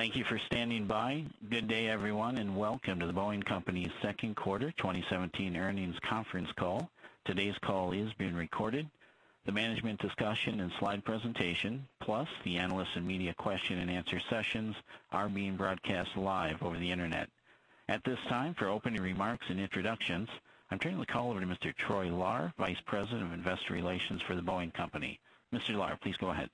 Thank you for standing by. Good day, everyone, and welcome to The Boeing Company's second quarter 2017 earnings conference call. Today's call is being recorded. The management discussion and slide presentation, plus the analyst and media question and answer sessions are being broadcast live over the internet. At this time, for opening remarks and introductions, I'm turning the call over to Mr. Troy Lahr, Vice President of Investor Relations for The Boeing Company. Mr. Lahr, please go ahead.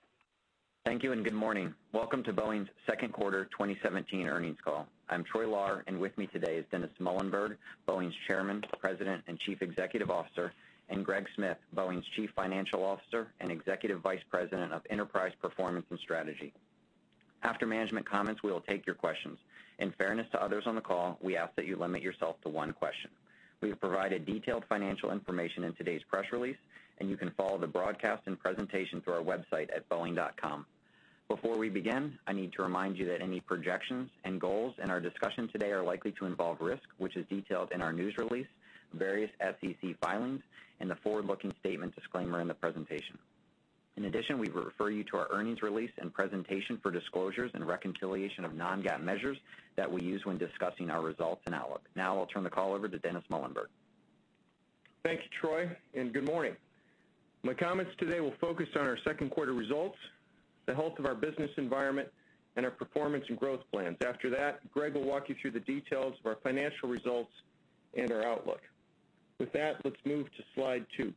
Thank you. Good morning. Welcome to Boeing's second quarter 2017 earnings call. I'm Troy Lahr, and with me today is Dennis Muilenburg, Boeing's Chairman, President, and Chief Executive Officer, and Greg Smith, Boeing's Chief Financial Officer and Executive Vice President of Enterprise Performance and Strategy. After management comments, we will take your questions. In fairness to others on the call, we ask that you limit yourself to one question. We have provided detailed financial information in today's press release, and you can follow the broadcast and presentation through our website at boeing.com. Before we begin, I need to remind you that any projections and goals in our discussion today are likely to involve risk, which is detailed in our news release, various SEC filings, and the forward-looking statements disclaimer in the presentation. In addition, we refer you to our earnings release and presentation for disclosures and reconciliation of non-GAAP measures that we use when discussing our results and outlook. Now, I'll turn the call over to Dennis Muilenburg. Thank you, Troy. Good morning. My comments today will focus on our second quarter results, the health of our business environment, and our performance and growth plans. After that, Greg will walk you through the details of our financial results and our outlook. With that, let's move to slide two.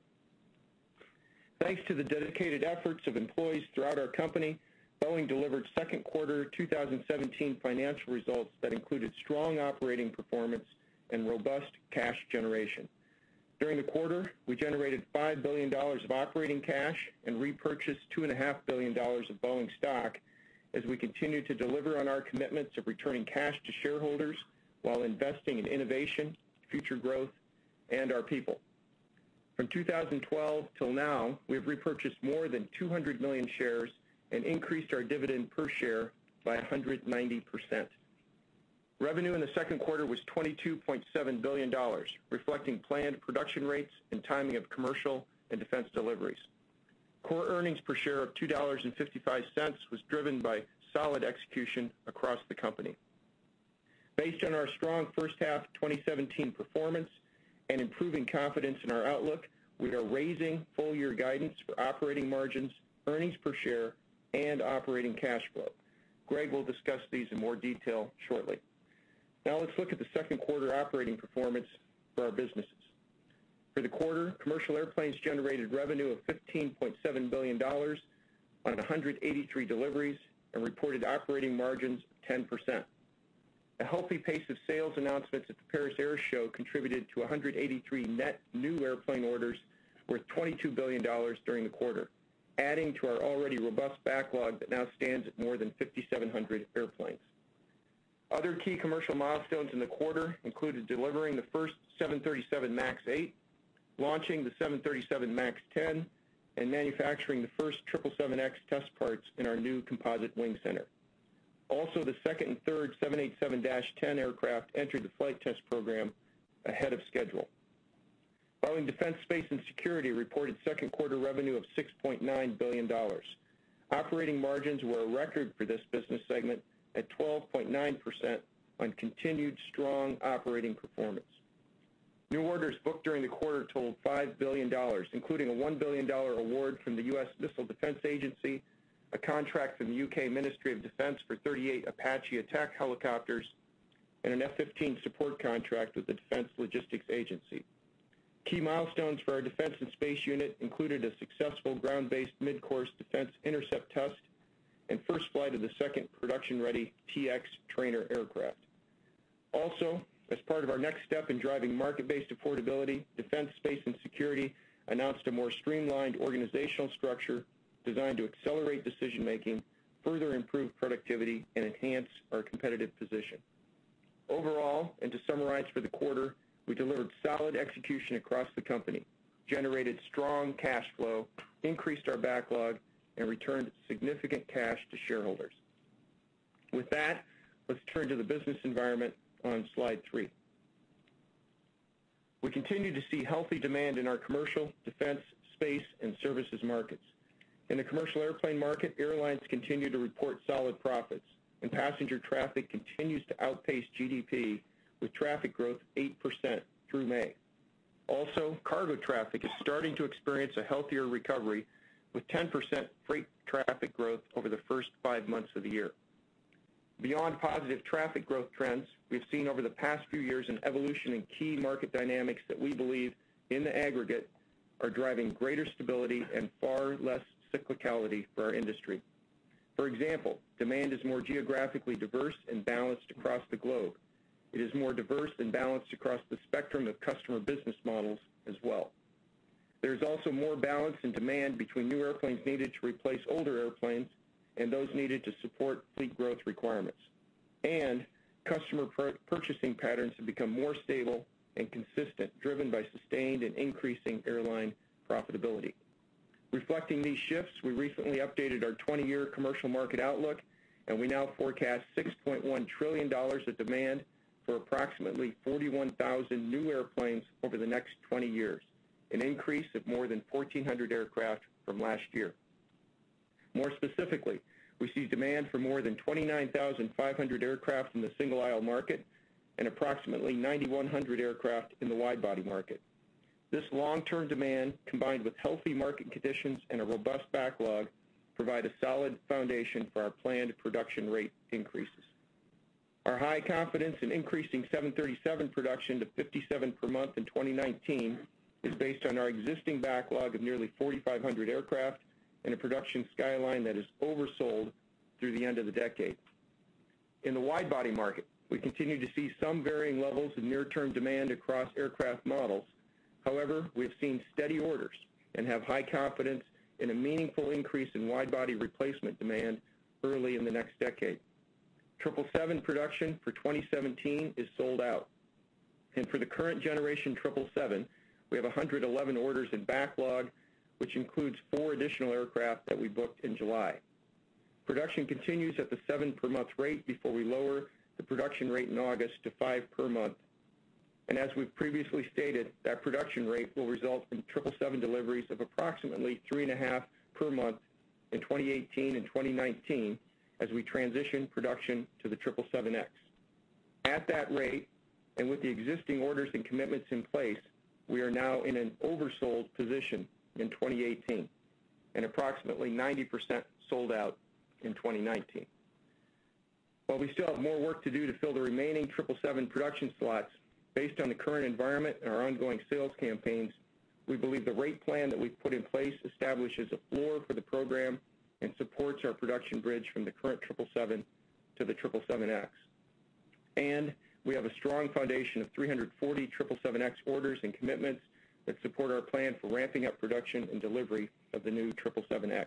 Thanks to the dedicated efforts of employees throughout our company, Boeing delivered second quarter 2017 financial results that included strong operating performance and robust cash generation. During the quarter, we generated $5 billion of operating cash and repurchased $2.5 billion of Boeing stock as we continue to deliver on our commitments of returning cash to shareholders while investing in innovation, future growth, and our people. From 2012 till now, we have repurchased more than 200 million shares and increased our dividend per share by 190%. Revenue in the second quarter was $22.7 billion, reflecting planned production rates and timing of commercial and defense deliveries. Core earnings per share of $2.55 was driven by solid execution across the company. Based on our strong first half 2017 performance and improving confidence in our outlook, we are raising full year guidance for operating margins, earnings per share, and operating cash flow. Greg will discuss these in more detail shortly. Now let's look at the second quarter operating performance for our businesses. For the quarter, commercial airplanes generated revenue of $15.7 billion on 183 deliveries and reported operating margins of 10%. A healthy pace of sales announcements at the Paris Air Show contributed to 183 net new airplane orders worth $22 billion during the quarter, adding to our already robust backlog that now stands at more than 5,700 airplanes. Other key commercial milestones in the quarter included delivering the first 737 MAX 8, launching the 737 MAX 10, and manufacturing the first 777X test parts in our new composite wing center. The second and third 787-10 aircraft entered the flight test program ahead of schedule. Boeing Defense, Space & Security reported second quarter revenue of $6.9 billion. Operating margins were a record for this business segment at 12.9% on continued strong operating performance. New orders booked during the quarter totaled $5 billion, including a $1 billion award from the U.S. Missile Defense Agency, a contract from the U.K. Ministry of Defence for 38 Apache attack helicopters, and an F-15 support contract with the Defense Logistics Agency. Key milestones for our defense and space unit included a successful Ground-Based Midcourse Defense intercept test and first flight of the second production-ready T-X trainer aircraft. As part of our next step in driving market-based affordability, Defense, Space & Security announced a more streamlined organizational structure designed to accelerate decision-making, further improve productivity, and enhance our competitive position. Overall, and to summarize for the quarter, we delivered solid execution across the company, generated strong cash flow, increased our backlog, and returned significant cash to shareholders. With that, let's turn to the business environment on slide three. We continue to see healthy demand in our commercial, defense, space, and services markets. In the commercial airplane market, airlines continue to report solid profits and passenger traffic continues to outpace GDP, with traffic growth 8% through May. Cargo traffic is starting to experience a healthier recovery, with 10% freight traffic growth over the first five months of the year. Beyond positive traffic growth trends, we've seen over the past few years an evolution in key market dynamics that we believe, in the aggregate, are driving greater stability and far less cyclicality for our industry. For example, demand is more geographically diverse and balanced across the globe. It is more diverse and balanced across the spectrum of customer business models as well. There's also more balance and demand between new airplanes needed to replace older airplanes and those needed to support fleet growth requirements. Customer purchasing patterns have become more stable and consistent, driven by sustained and increasing airline profitability. Reflecting these shifts, we recently updated our 20-year commercial market outlook, and we now forecast $6.1 trillion of demand for approximately 41,000 new airplanes over the next 20 years. An increase of more than 1,400 aircraft from last year. More specifically, we see demand for more than 29,500 aircraft in the single-aisle market and approximately 9,100 aircraft in the wide-body market. This long-term demand, combined with healthy market conditions and a robust backlog, provide a solid foundation for our planned production rate increases. Our high confidence in increasing 737 production to 57 per month in 2019 is based on our existing backlog of nearly 4,500 aircraft and a production skyline that is oversold through the end of the decade. In the wide-body market, we continue to see some varying levels of near-term demand across aircraft models. However, we've seen steady orders and have high confidence in a meaningful increase in wide-body replacement demand early in the next decade. 777 production for 2017 is sold out. For the current generation 777, we have 111 orders in backlog, which includes four additional aircraft that we booked in July. Production continues at the seven per month rate before we lower the production rate in August to five per month. As we've previously stated, that production rate will result in 777 deliveries of approximately three and a half per month in 2018 and 2019 as we transition production to the 777X. At that rate, and with the existing orders and commitments in place, we are now in an oversold position in 2018 and approximately 90% sold out in 2019. While we still have more work to do to fill the remaining 777 production slots, based on the current environment and our ongoing sales campaigns, we believe the rate plan that we've put in place establishes a floor for the program and supports our production bridge from the current 777 to the 777X. We have a strong foundation of 340 777X orders and commitments that support our plan for ramping up production and delivery of the new 777X.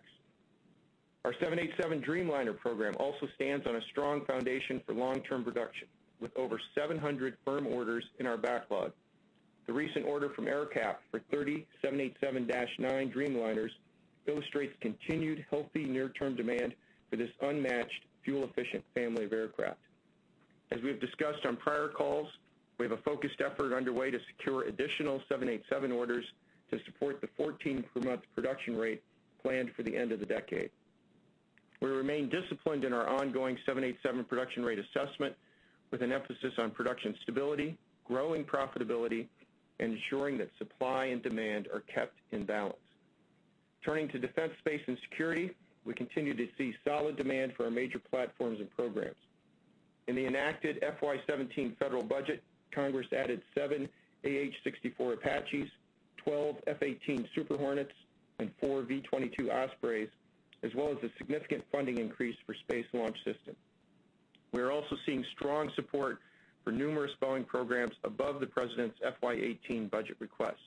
Our 787 Dreamliner program also stands on a strong foundation for long-term production, with over 700 firm orders in our backlog. The recent order from AerCap for 30 787-9 Dreamliners illustrates continued healthy near-term demand for this unmatched, fuel-efficient family of aircraft. As we've discussed on prior calls, we have a focused effort underway to secure additional 787 orders to support the 14 per month production rate planned for the end of the decade. We remain disciplined in our ongoing 787 production rate assessment with an emphasis on production stability, growing profitability, and ensuring that supply and demand are kept in balance. Turning to defense, space, and security, we continue to see solid demand for our major platforms and programs. In the enacted FY 2017 federal budget, Congress added seven AH-64 Apaches, 12 F-18 Super Hornets, and four V-22 Ospreys, as well as a significant funding increase for Space Launch Systems. We are also seeing strong support for numerous Boeing programs above the president's FY 2018 budget request.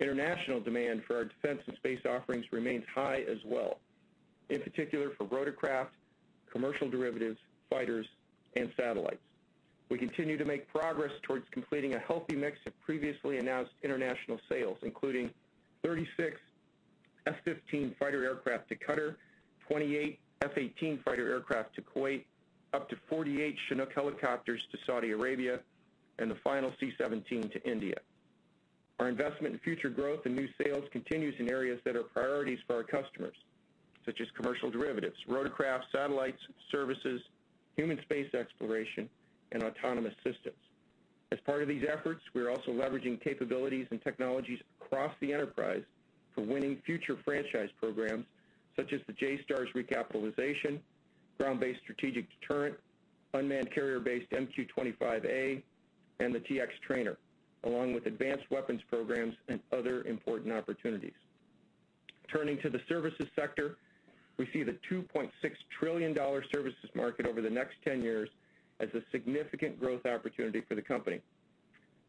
International demand for our defense and space offerings remains high as well. In particular for rotorcraft, commercial derivatives, fighters, and satellites. We continue to make progress towards completing a healthy mix of previously announced international sales, including 36 F-15 fighter aircraft to Qatar, 28 F-18 fighter aircraft to Kuwait, up to 48 Chinook helicopters to Saudi Arabia, and the final C-17 to India. Our investment in future growth and new sales continues in areas that are priorities for our customers, such as commercial derivatives, rotorcraft, satellites, services, human space exploration, and autonomous systems. As part of these efforts, we're also leveraging capabilities and technologies across the enterprise for winning future franchise programs such as the JSTARS recapitalization, Ground-Based Strategic Deterrent, unmanned carrier-based MQ-25A, and the T-X trainer, along with advanced weapons programs and other important opportunities. Turning to the services sector, we see the $2.6 trillion services market over the next 10 years as a significant growth opportunity for the company.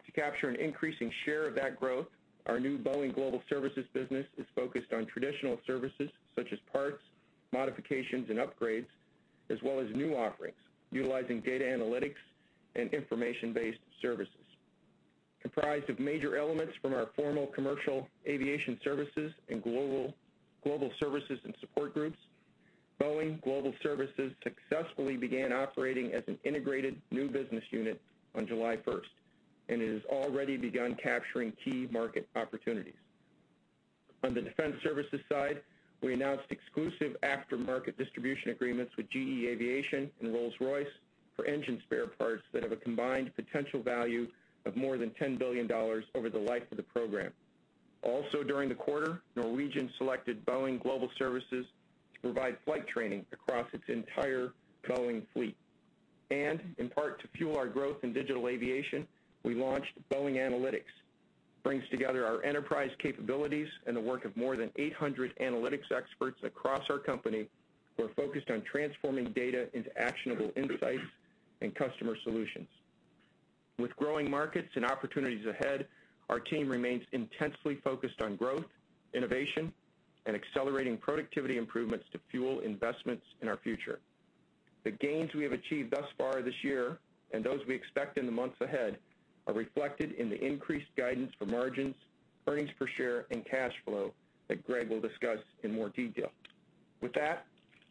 To capture an increasing share of that growth, our new Boeing Global Services business is focused on traditional services such as parts, modifications, and upgrades, as well as new offerings utilizing data analytics and information-based services. Comprised of major elements from our formal commercial aviation services and Global Services & Support groups, Boeing Global Services successfully began operating as an integrated new business unit on July 1st and it has already begun capturing key market opportunities. On the defense services side, we announced exclusive aftermarket distribution agreements with GE Aviation and Rolls-Royce for engine spare parts that have a combined potential value of more than $10 billion over the life of the program. During the quarter, Norwegian selected Boeing Global Services to provide flight training across its entire Boeing fleet. In part to fuel our growth in digital aviation, we launched Boeing AnalytX. Brings together our enterprise capabilities and the work of more than 800 analytics experts across our company who are focused on transforming data into actionable insights and customer solutions. With growing markets and opportunities ahead, our team remains intensely focused on growth, innovation, and accelerating productivity improvements to fuel investments in our future. The gains we have achieved thus far this year, and those we expect in the months ahead, are reflected in the increased guidance for margins, earnings per share, and cash flow that Greg will discuss in more detail. With that,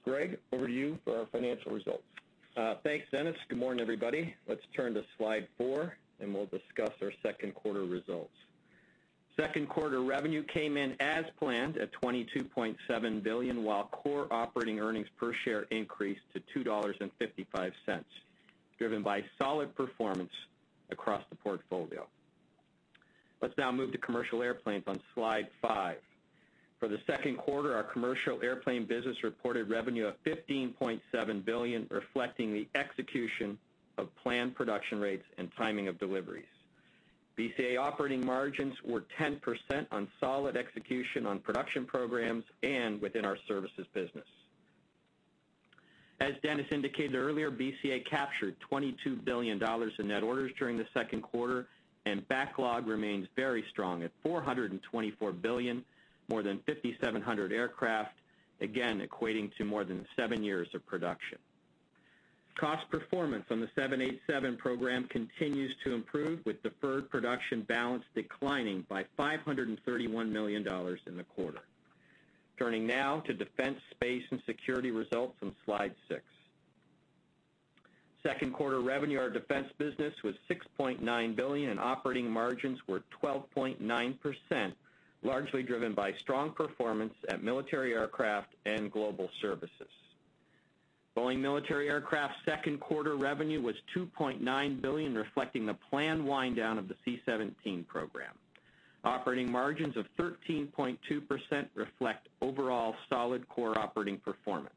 Greg, over to you for our financial results. Thanks, Dennis. Good morning, everybody. Let's turn to slide four, and we'll discuss our second quarter results. Second quarter revenue came in as planned at $22.7 billion, while core operating earnings per share increased to $2.55, driven by solid performance across the portfolio. Let's now move to commercial airplanes on slide five. For the second quarter, our commercial airplane business reported revenue of $15.7 billion, reflecting the execution of planned production rates and timing of deliveries. BCA operating margins were 10% on solid execution on production programs and within our services business. As Dennis indicated earlier, BCA captured $22 billion in net orders during the second quarter, and backlog remains very strong at $424 billion, more than 5,700 aircraft, again, equating to more than seven years of production. Cost performance on the 787 program continues to improve, with deferred production balance declining by $531 million in the quarter. Turning now to Defense, Space & Security results on slide six. Second quarter revenue, our defense business was $6.9 billion, and operating margins were 12.9%, largely driven by strong performance at Military Aircraft and Global Services. Boeing Military Aircraft second quarter revenue was $2.9 billion, reflecting the planned wind down of the C-17 program. Operating margins of 13.2% reflect overall solid core operating performance.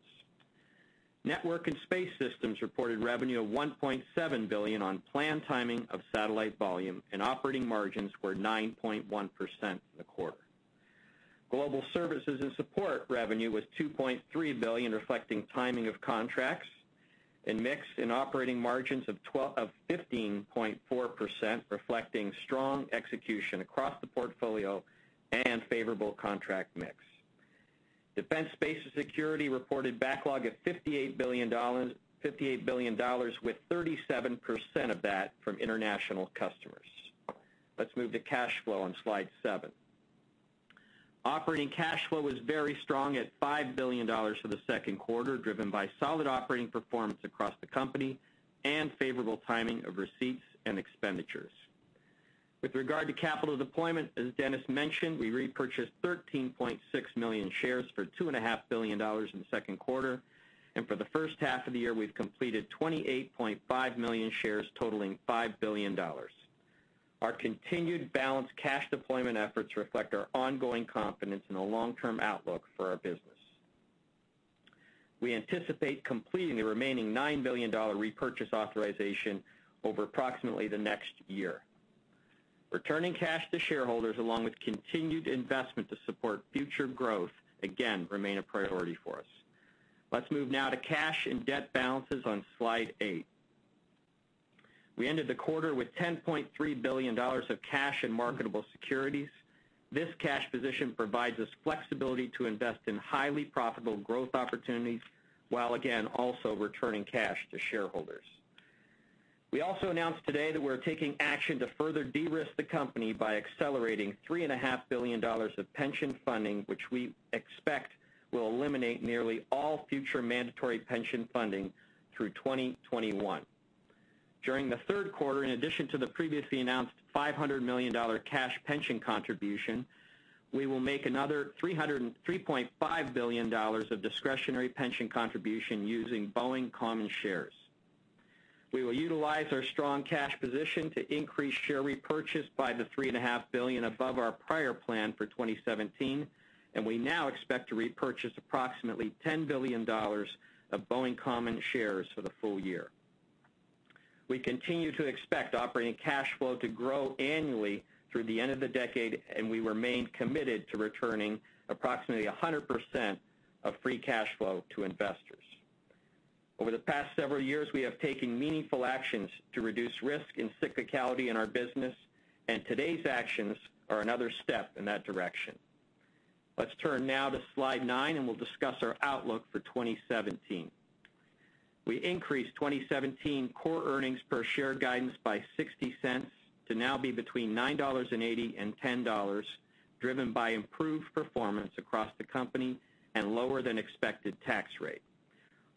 Network & Space Systems reported revenue of $1.7 billion on planned timing of satellite volume, and operating margins were 9.1% in the quarter. Global Services & Support revenue was $2.3 billion, reflecting timing of contracts and mix and operating margins of 15.4%, reflecting strong execution across the portfolio and favorable contract mix. Defense, Space & Security reported backlog of $58 billion, with 37% of that from international customers. Let's move to cash flow on slide seven. Operating cash flow was very strong at $5 billion for the second quarter, driven by solid operating performance across the company and favorable timing of receipts and expenditures. With regard to capital deployment, as Dennis mentioned, we repurchased 13.6 million shares for $2.5 billion in the second quarter, and for the first half of the year, we've completed 28.5 million shares totaling $5 billion. Our continued balanced cash deployment efforts reflect our ongoing confidence in a long-term outlook for our business. We anticipate completing the remaining $9 billion repurchase authorization over approximately the next year. Returning cash to shareholders, along with continued investment to support future growth, again, remain a priority for us. Let's move now to cash and debt balances on slide eight. We ended the quarter with $10.3 billion of cash in marketable securities. This cash position provides us flexibility to invest in highly profitable growth opportunities, while again, also returning cash to shareholders. We also announced today that we're taking action to further de-risk the company by accelerating $3.5 billion of pension funding, which we expect will eliminate nearly all future mandatory pension funding through 2021. During the third quarter, in addition to the previously announced $500 million cash pension contribution, we will make another $3.5 billion of discretionary pension contribution using Boeing common shares. We will utilize our strong cash position to increase share repurchase by the $3.5 billion above our prior plan for 2017, and we now expect to repurchase approximately $10 billion of Boeing common shares for the full year. We continue to expect operating cash flow to grow annually through the end of the decade, and we remain committed to returning approximately 100% of free cash flow to investors. Over the past several years, we have taken meaningful actions to reduce risk and cyclicality in our business. Today's actions are another step in that direction. Let's turn now to slide nine, and we'll discuss our outlook for 2017. We increased 2017 core earnings per share guidance by $0.60 to now be between $9.80 and $10, driven by improved performance across the company and lower than expected tax rate.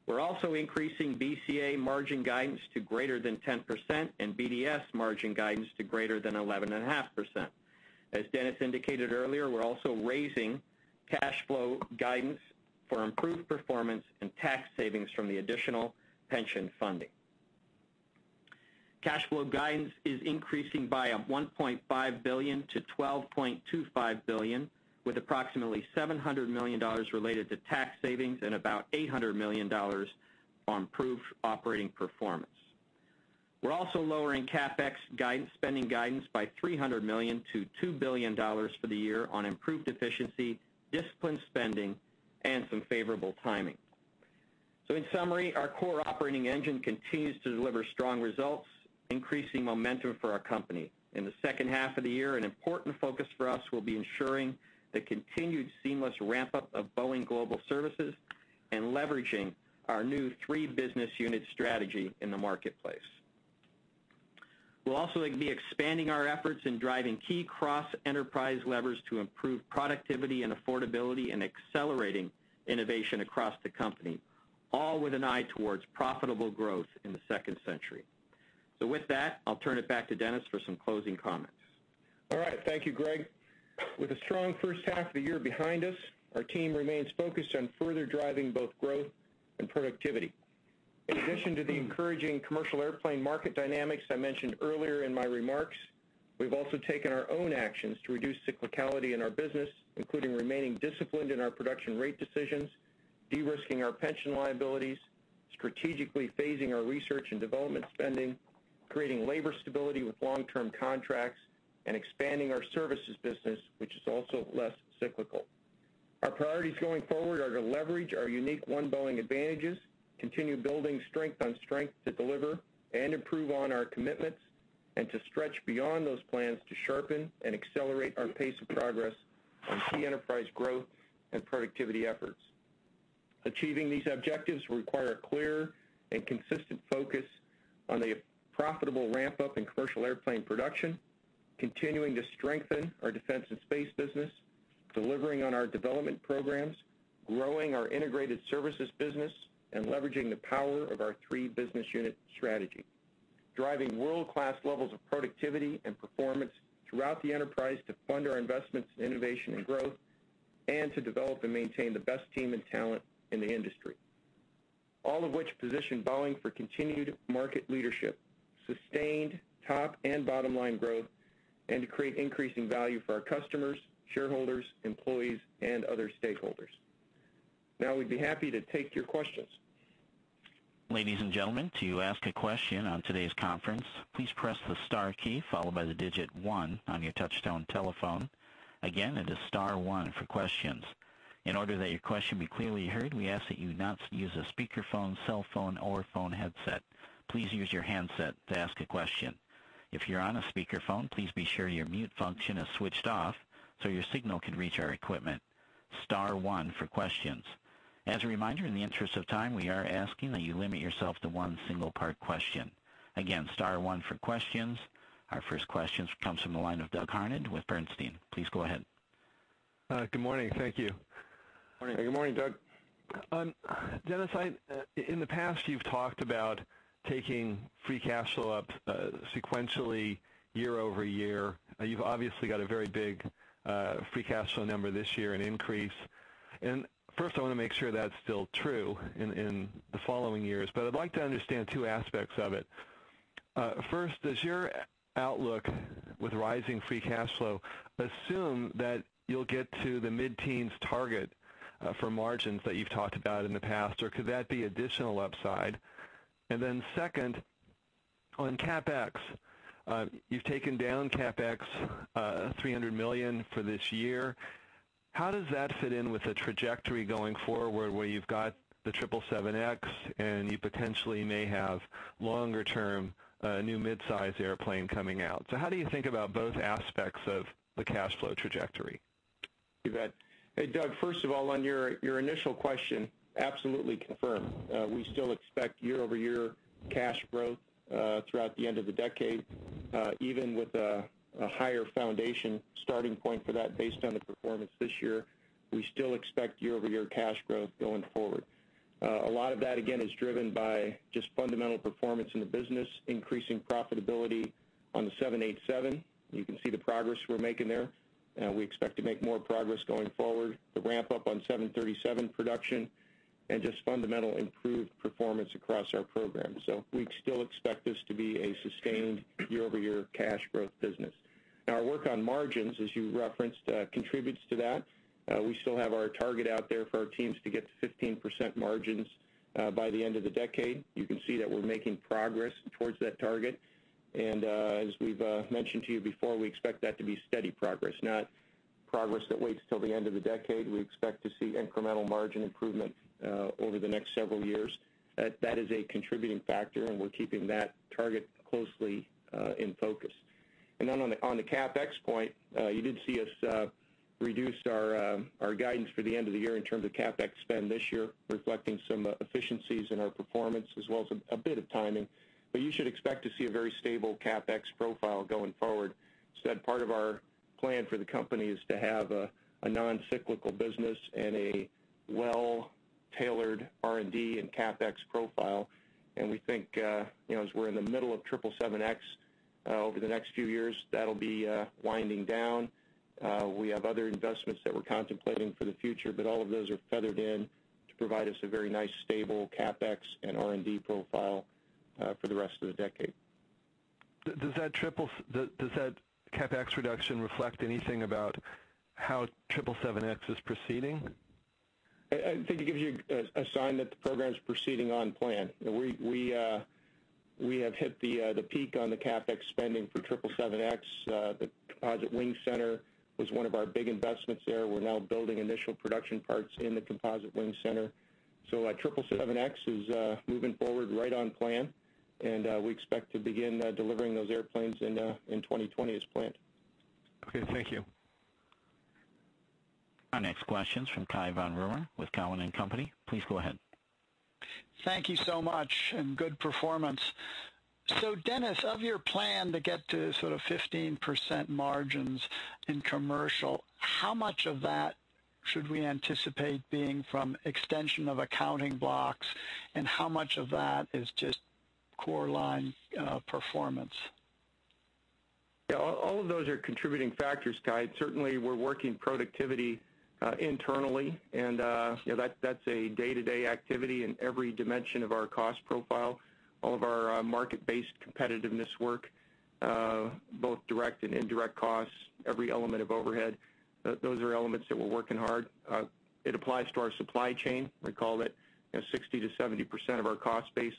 We're also increasing BCA margin guidance to greater than 10% and BDS margin guidance to greater than 11.5%. As Dennis indicated earlier, we're also raising cash flow guidance for improved performance and tax savings from the additional pension funding. Cash flow guidance is increasing by $1.5 billion to $12.25 billion, with approximately $700 million related to tax savings and about $800 million on improved operating performance. We're also lowering CapEx spending guidance by $300 million to $2 billion for the year on improved efficiency, disciplined spending, and some favorable timing. In summary, our core operating engine continues to deliver strong results, increasing momentum for our company. In the second half of the year, an important focus for us will be ensuring the continued seamless ramp-up of Boeing Global Services and leveraging our new three business unit strategy in the marketplace. We'll also be expanding our efforts in driving key cross-enterprise levers to improve productivity and affordability, and accelerating innovation across the company, all with an eye towards profitable growth in the second century. With that, I'll turn it back to Dennis for some closing comments. All right. Thank you, Greg. With a strong first half of the year behind us, our team remains focused on further driving both growth and productivity. In addition to the encouraging commercial airplane market dynamics I mentioned earlier in my remarks, we've also taken our own actions to reduce cyclicality in our business, including remaining disciplined in our production rate decisions, de-risking our pension liabilities, strategically phasing our research and development spending, creating labor stability with long-term contracts, and expanding our services business, which is also less cyclical. Our priorities going forward are to leverage our unique One Boeing advantages, continue building strength on strength to deliver and improve on our commitments, and to stretch beyond those plans to sharpen and accelerate our pace of progress on key enterprise growth and productivity efforts. Achieving these objectives require a clear and consistent focus on the profitable ramp-up in commercial airplane production, continuing to strengthen our defense and space business, delivering on our development programs, growing our integrated services business, and leveraging the power of our three business unit strategy, driving world-class levels of productivity and performance throughout the enterprise to fund our investments in innovation and growth, and to develop and maintain the best team and talent in the industry. All of which position Boeing for continued market leadership, sustained top and bottom-line growth, and to create increasing value for our customers, shareholders, employees, and other stakeholders. We'd be happy to take your questions. Ladies and gentlemen, to ask a question on today's conference, please press the star key, followed by the digit 1 on your touchtone telephone. Again, it is star 1 for questions. In order that your question be clearly heard, we ask that you not use a speakerphone, cell phone, or phone headset. Please use your handset to ask a question. If you're on a speakerphone, please be sure your mute function is switched off so your signal can reach our equipment. Star 1 for questions. As a reminder, in the interest of time, we are asking that you limit yourself to 1 single part question. Again, star 1 for questions. Our first questions comes from the line of Douglas Harned with Bernstein. Please go ahead. Good morning. Thank you. Good morning, Doug. Dennis, in the past, you've talked about taking free cash flow up sequentially year-over-year. You've obviously got a very big free cash flow number this year, an increase. First, I want to make sure that's still true in the following years. I'd like to understand two aspects of it. First, does your outlook with rising free cash flow assume that you'll get to the mid-teens target for margins that you've talked about in the past, or could that be additional upside? Then second, on CapEx, you've taken down CapEx $300 million for this year. How does that fit in with the trajectory going forward where you've got the 777X and you potentially may have longer term, new mid-size airplane coming out? How do you think about both aspects of the cash flow trajectory? You bet. Hey, Doug, first of all, on your initial question, absolutely confirm. We still expect year-over-year cash growth, throughout the end of the decade, even with a higher foundation starting point for that based on the performance this year. We still expect year-over-year cash growth going forward. A lot of that, again, is driven by just fundamental performance in the business, increasing profitability on the 787. You can see the progress we're making there. We expect to make more progress going forward. The ramp up on 737 production, and just fundamental improved performance across our program. We still expect this to be a sustained year-over-year cash growth business. Now our work on margins, as you referenced, contributes to that. We still have our target out there for our teams to get to 15% margins by the end of the decade. You can see that we're making progress towards that target. As we've mentioned to you before, we expect that to be steady progress, not progress that waits till the end of the decade. We expect to see incremental margin improvement over the next several years. That is a contributing factor, and we're keeping that target closely in focus. On the CapEx point, you did see us reduce our guidance for the end of the year in terms of CapEx spend this year, reflecting some efficiencies in our performance, as well as a bit of timing. You should expect to see a very stable CapEx profile going forward. That part of our plan for the company is to have a non-cyclical business and a well-tailored R&D and CapEx profile. We think, as we're in the middle of 777X, over the next few years, that'll be winding down. We have other investments that we're contemplating for the future, but all of those are feathered in to provide us a very nice, stable CapEx and R&D profile for the rest of the decade. Does that CapEx reduction reflect anything about how 777X is proceeding? I think it gives you a sign that the program's proceeding on plan. We have hit the peak on the CapEx spending for 777X. The composite wing center was one of our big investments there. We're now building initial production parts in the composite wing center. 777X is moving forward right on plan, and we expect to begin delivering those airplanes in 2020 as planned. Okay. Thank you. Our next question's from Cai von Rumohr with Cowen and Company. Please go ahead. Thank you so much, and good performance. Dennis, of your plan to get to 15% margins in commercial, how much of that should we anticipate being from extension of accounting blocks, and how much of that is just core line performance? Yeah, all of those are contributing factors, Cai. Certainly, we're working productivity internally, and that's a day-to-day activity in every dimension of our cost profile. All of our market-based competitiveness work, both direct and indirect costs, every element of overhead, those are elements that we're working hard. It applies to our supply chain. Recall that 60%-70% of our cost base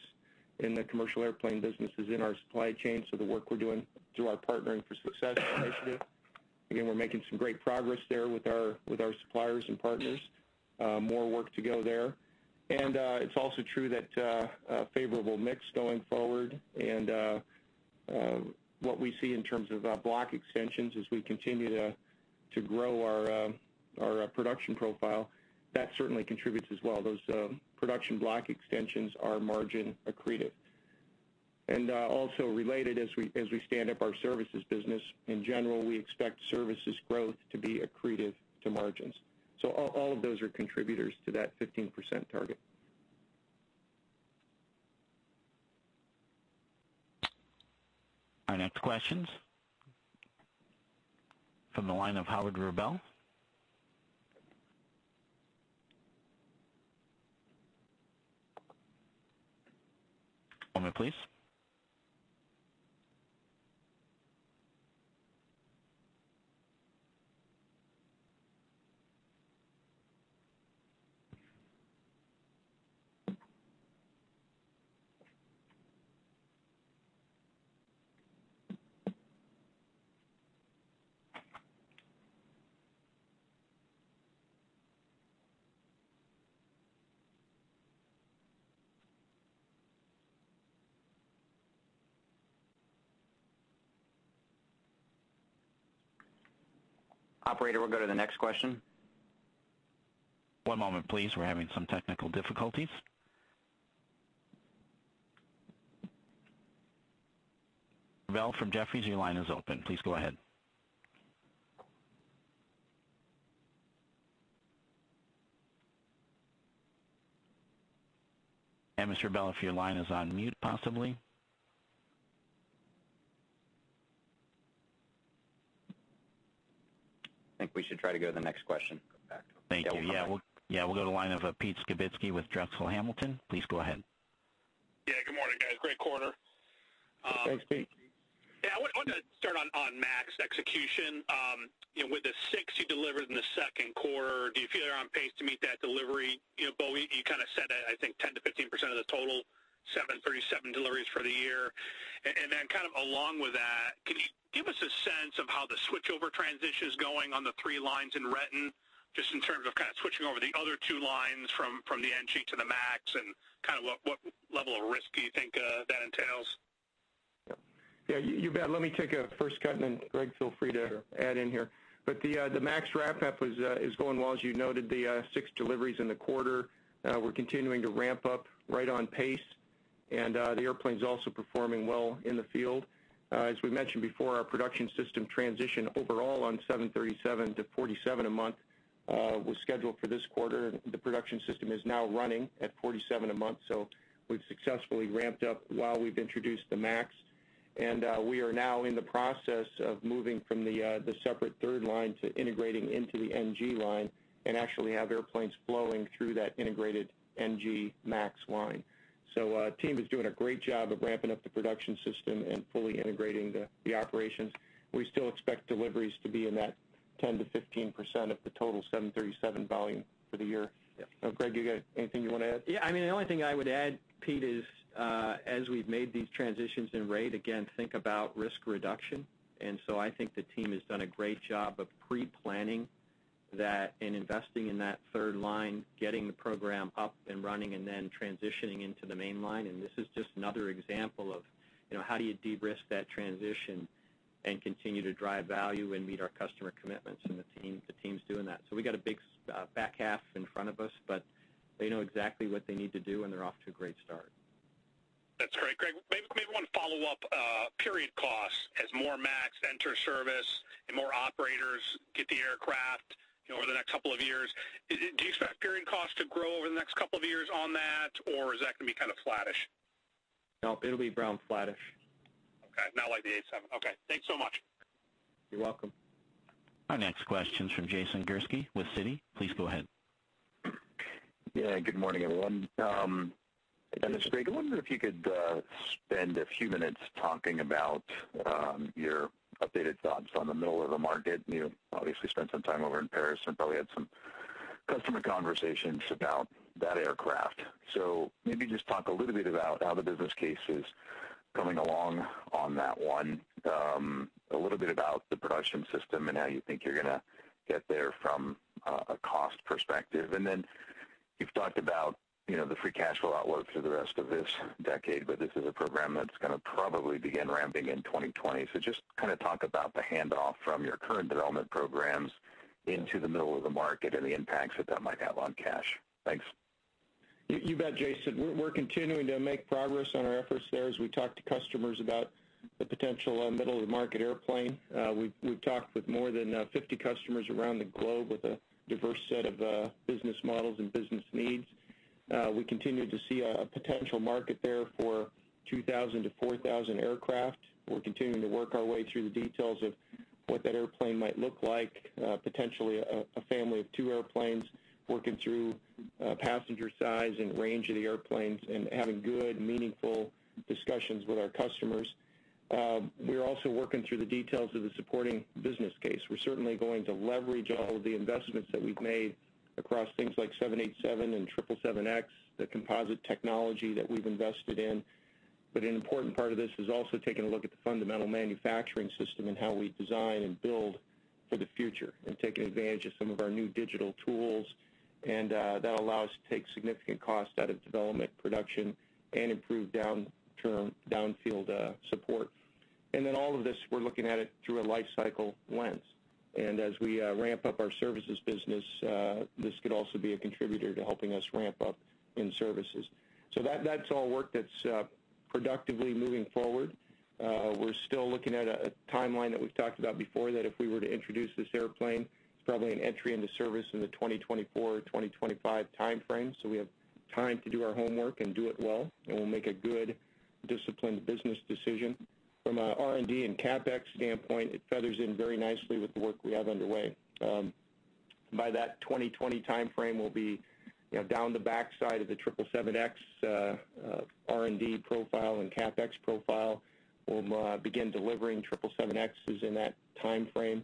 in the commercial airplane business is in our supply chain, so the work we're doing through our Partnering for Success initiative. Again, we're making some great progress there with our suppliers and partners. More work to go there. It's also true that a favorable mix going forward and what we see in terms of block extensions as we continue to grow our production profile, that certainly contributes as well. Those production block extensions are margin accretive. Also related, as we stand up our services business, in general, we expect services growth to be accretive to margins. All of those are contributors to that 15% target. Our next question's from the line of Howard Rubel. One moment please. Operator, we'll go to the next question. One moment please, we're having some technical difficulties. Rubel from Jefferies, your line is open. Please go ahead. Mr. Rubel, if your line is on mute, possibly. I think we should try to go to the next question and come back to him. Thank you. Yeah. We'll go to the line of Peter Skibitski with Drexel Hamilton. Please go ahead. Good morning, guys. Great quarter. Thanks, Pete. I wanted to start on MAX execution. With the six you delivered in the second quarter, do you feel you're on pace to meet that delivery? Boeing, you kind of said that, I think 10%-15% of the total, 737 deliveries for the year. Kind of along with that, can you give us a sense of how the switchover transition's going on the three lines in Renton, just in terms of kind of switching over the other two lines from the 737NG to the MAX, and what level of risk do you think that entails? You bet. Let me take a first cut, and then Greg, feel free to add in here. The MAX ramp-up is going well. As you noted, the six deliveries in the quarter. We're continuing to ramp up right on pace, and the airplane's also performing well in the field. As we mentioned before, our production system transition overall on 737 to 47 a month, was scheduled for this quarter, and the production system is now running at 47 a month. We've successfully ramped up while we've introduced the MAX, and we are now in the process of moving from the separate third line to integrating into the 737NG line, and actually have airplanes flowing through that integrated 737NG MAX line. Team is doing a great job of ramping up the production system and fully integrating the operations. We still expect deliveries to be in that 10%-15% of the total 737 volume for the year. Yeah. Greg, you got anything you want to add? Yeah. The only thing I would add, Pete, is as we've made these transitions in rate, again, think about risk reduction. I think the team has done a great job of pre-planning that and investing in that third line, getting the program up and running, and then transitioning into the main line. This is just another example of how do you de-risk that transition and continue to drive value and meet our customer commitments, and the team's doing that. We got a big back half in front of us, but they know exactly what they need to do, and they're off to a great start. That's great, Greg. Maybe one follow-up. Period costs. As more MAX enter service and more operators get the aircraft over the next couple of years, do you expect period cost to grow over the next couple of years on that, or is that going to be kind of flattish? No, it'll be around flattish. Okay. Not like the 787. Okay. Thanks so much. You're welcome. Our next question's from Jason Gursky with Citi. Please go ahead. Yeah, good morning, everyone. Dennis, Greg, I was wondering if you could spend a few minutes talking about your updated thoughts on the middle of the market. You obviously spent some time over in Paris and probably had some customer conversations about that aircraft. Maybe just talk a little bit about how the business case is coming along on that one. A little bit about the production system and how you think you're going to get there from a cost perspective. You've talked about the free cash flow outlook through the rest of this decade, but this is a program that's going to probably begin ramping in 2020. Just talk about the handoff from your current development programs into the middle of the market, and the impacts that that might have on cash. Thanks. You bet, Jason. We're continuing to make progress on our efforts there as we talk to customers about the potential middle of the market airplane. We've talked with more than 50 customers around the globe with a diverse set of business models and business needs. We continue to see a potential market there for 2,000 to 4,000 aircraft. We're continuing to work our way through the details of what that airplane might look like. Potentially a family of two airplanes, working through passenger size and range of the airplanes, and having good, meaningful discussions with our customers. We're also working through the details of the supporting business case. We're certainly going to leverage all of the investments that we've made across things like 787 and 777X, the composite technology that we've invested in. An important part of this is also taking a look at the fundamental manufacturing system and how we design and build for the future, and taking advantage of some of our new digital tools. That'll allow us to take significant cost out of development production and improve downfield support. All of this, we're looking at it through a life cycle lens. As we ramp up our services business, this could also be a contributor to helping us ramp up in services. That's all work that's productively moving forward. We're still looking at a timeline that we've talked about before, that if we were to introduce this airplane, it's probably an entry into service in the 2024 or 2025 timeframe. We have time to do our homework and do it well, and we'll make a good, disciplined business decision. From an R&D and CapEx standpoint, it feathers in very nicely with the work we have underway. By that 2020 timeframe, we'll be down the backside of the 777X, R&D profile and CapEx profile. We'll begin delivering 777Xs in that timeframe.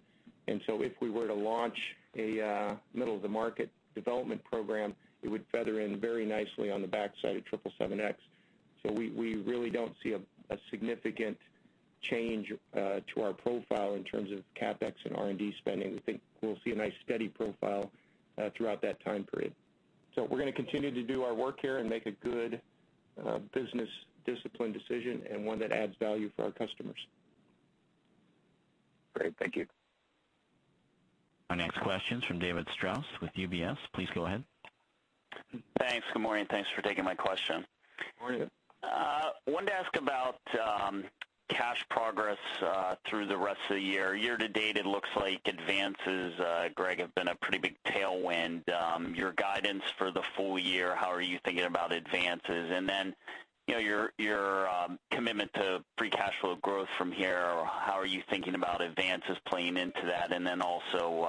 If we were to launch a middle of the market development program, it would feather in very nicely on the backside of 777X. We really don't see a significant change to our profile in terms of CapEx and R&D spending. We think we'll see a nice steady profile throughout that time period. We're going to continue to do our work here and make a good business discipline decision, and one that adds value for our customers. Great, thank you. Our next question's from David Strauss with UBS. Please go ahead. Thanks. Good morning, thanks for taking my question. Good morning. Wanted to ask about cash progress through the rest of the year. Year to date, it looks like advances, Greg, have been a pretty big tailwind. Your guidance for the full year, how are you thinking about advances? Your commitment to free cash flow growth from here, how are you thinking about advances playing into that, and then also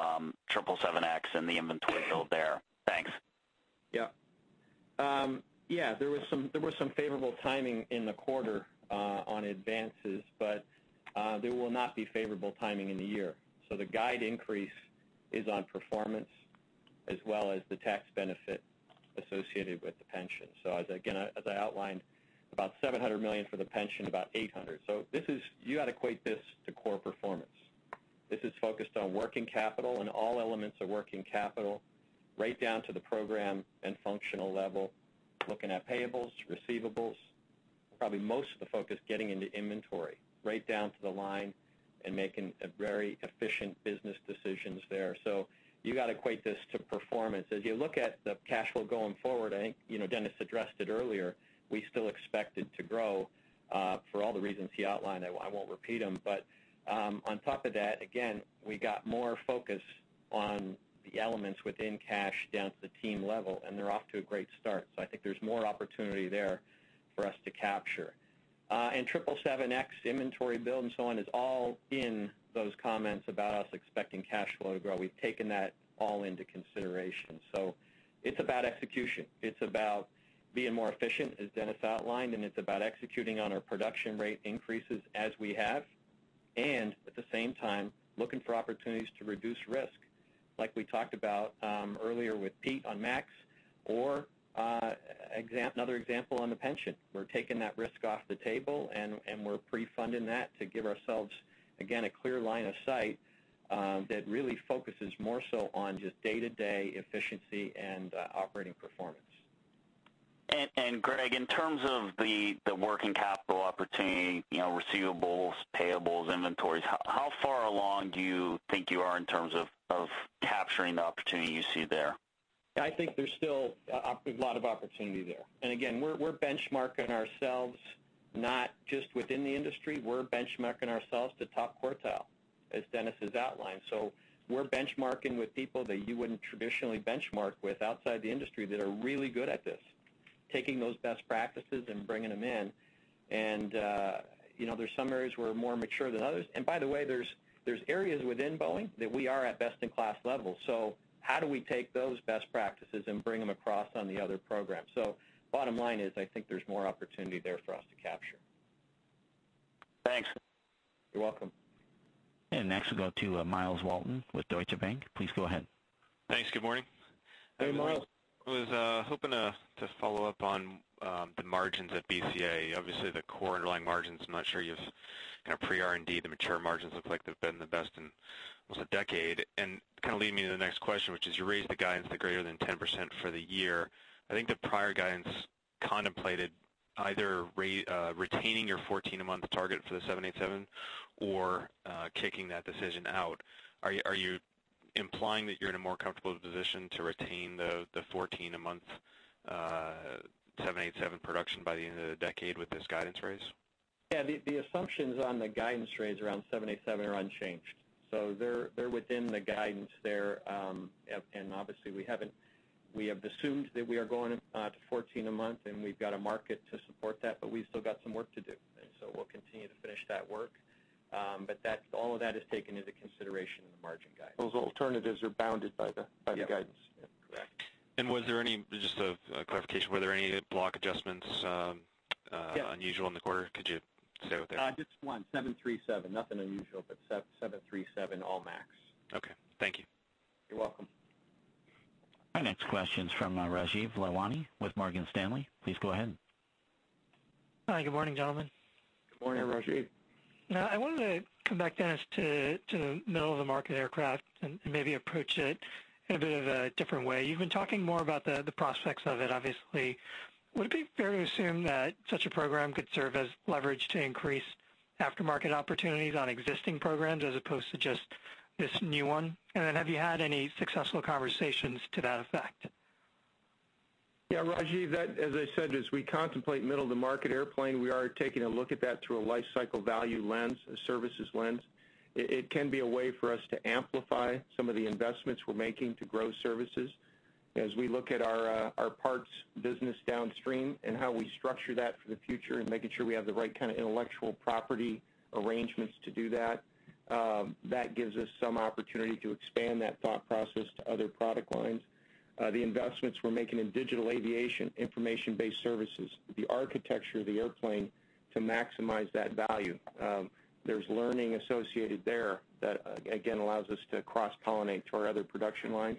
777X and the inventory build there? Thanks. Yeah. There was some favorable timing in the quarter on advances. There will not be favorable timing in the year. The guide increase is on performance as well as the tax benefit associated with the pension. Again, as I outlined, about $700 million for the pension, about $800. You ought to equate this to core performance. This is focused on working capital and all elements of working capital, right down to the program and functional level, looking at payables, receivables, probably most of the focus getting into inventory, right down to the line and making very efficient business decisions there. You got to equate this to performance. As you look at the cash flow going forward, I think Dennis addressed it earlier, we still expect it to grow, for all the reasons he outlined. I won't repeat them. On top of that, again, we got more focus on the elements within cash down to the team level, and they're off to a great start. I think there's more opportunity there for us to capture. 777X inventory build and so on is all in those comments about us expecting cash flow to grow. We've taken that all into consideration. It's about execution. It's about being more efficient, as Dennis outlined, and it's about executing on our production rate increases as we have. At the same time, looking for opportunities to reduce risk. Like we talked about earlier with Pete on MAX or another example on the pension. We're taking that risk off the table, and we're pre-funding that to give ourselves, again, a clear line of sight, that really focuses more so on just day-to-day efficiency and operating performance. Greg, in terms of the working capital opportunity, receivables, payables, inventories, how far along do you think you are in terms of capturing the opportunity you see there? I think there's still a lot of opportunity there. Again, we're benchmarking ourselves, not just within the industry. We're benchmarking ourselves to top quartile, as Dennis Muilenburg has outlined. We're benchmarking with people that you wouldn't traditionally benchmark with outside the industry that are really good at this, taking those best practices and bringing them in. There's some areas we're more mature than others. By the way, there's areas within Boeing that we are at best in class level. How do we take those best practices and bring them across on the other programs? Bottom line is, I think there's more opportunity there for us to capture. Thanks. You're welcome. Next we'll go to Myles Walton with Deutsche Bank. Please go ahead. Thanks. Good morning. Hey, Myles. I was hoping to follow up on the margins at BCA. Obviously the core underlying margins, I'm not sure pre-R&D, the mature margins look like they've been the best in almost a decade. Leading me to the next question, which is, you raised the guidance to greater than 10% for the year. I think the prior guidance contemplated either retaining your 14-a-month target for the 787 or kicking that decision out. Are you implying that you're in a more comfortable position to retain the 14-a-month 787 production by the end of the decade with this guidance raise? Yeah. The assumptions on the guidance raise around 787 are unchanged. They're within the guidance there, obviously, we have assumed that we are going to 14 a month, we've got a market to support that, we've still got some work to do. We'll continue to finish that work. All of that is taken into consideration in the margin guidance. Those alternatives are bounded by the guidance. Yeah. Correct. just a clarification, were there any block adjustments- Yeah unusual in the quarter? Could you stay with there? Just one, 737. Nothing unusual, 737, all MAX. Okay. Thank you. You're welcome. Our next question's from Rajeev Lalwani with Morgan Stanley. Please go ahead. Hi. Good morning, gentlemen. Good morning, Rajeev. Good morning. I wanted to come back, Dennis, to the middle-of-the-market aircraft and maybe approach it in a bit of a different way. You've been talking more about the prospects of it, obviously. Would it be fair to assume that such a program could serve as leverage to increase aftermarket opportunities on existing programs as opposed to just this new one? Have you had any successful conversations to that effect? Yeah, Rajeev, as I said, as we contemplate middle-of-the-market airplane, we are taking a look at that through a life cycle value lens, a services lens. It can be a way for us to amplify some of the investments we're making to grow services. As we look at our parts business downstream and how we structure that for the future and making sure we have the right kind of intellectual property arrangements to do that gives us some opportunity to expand that thought process to other product lines. The investments we're making in digital aviation, information-based services, the architecture of the airplane to maximize that value. There's learning associated there that, again, allows us to cross-pollinate to our other production lines.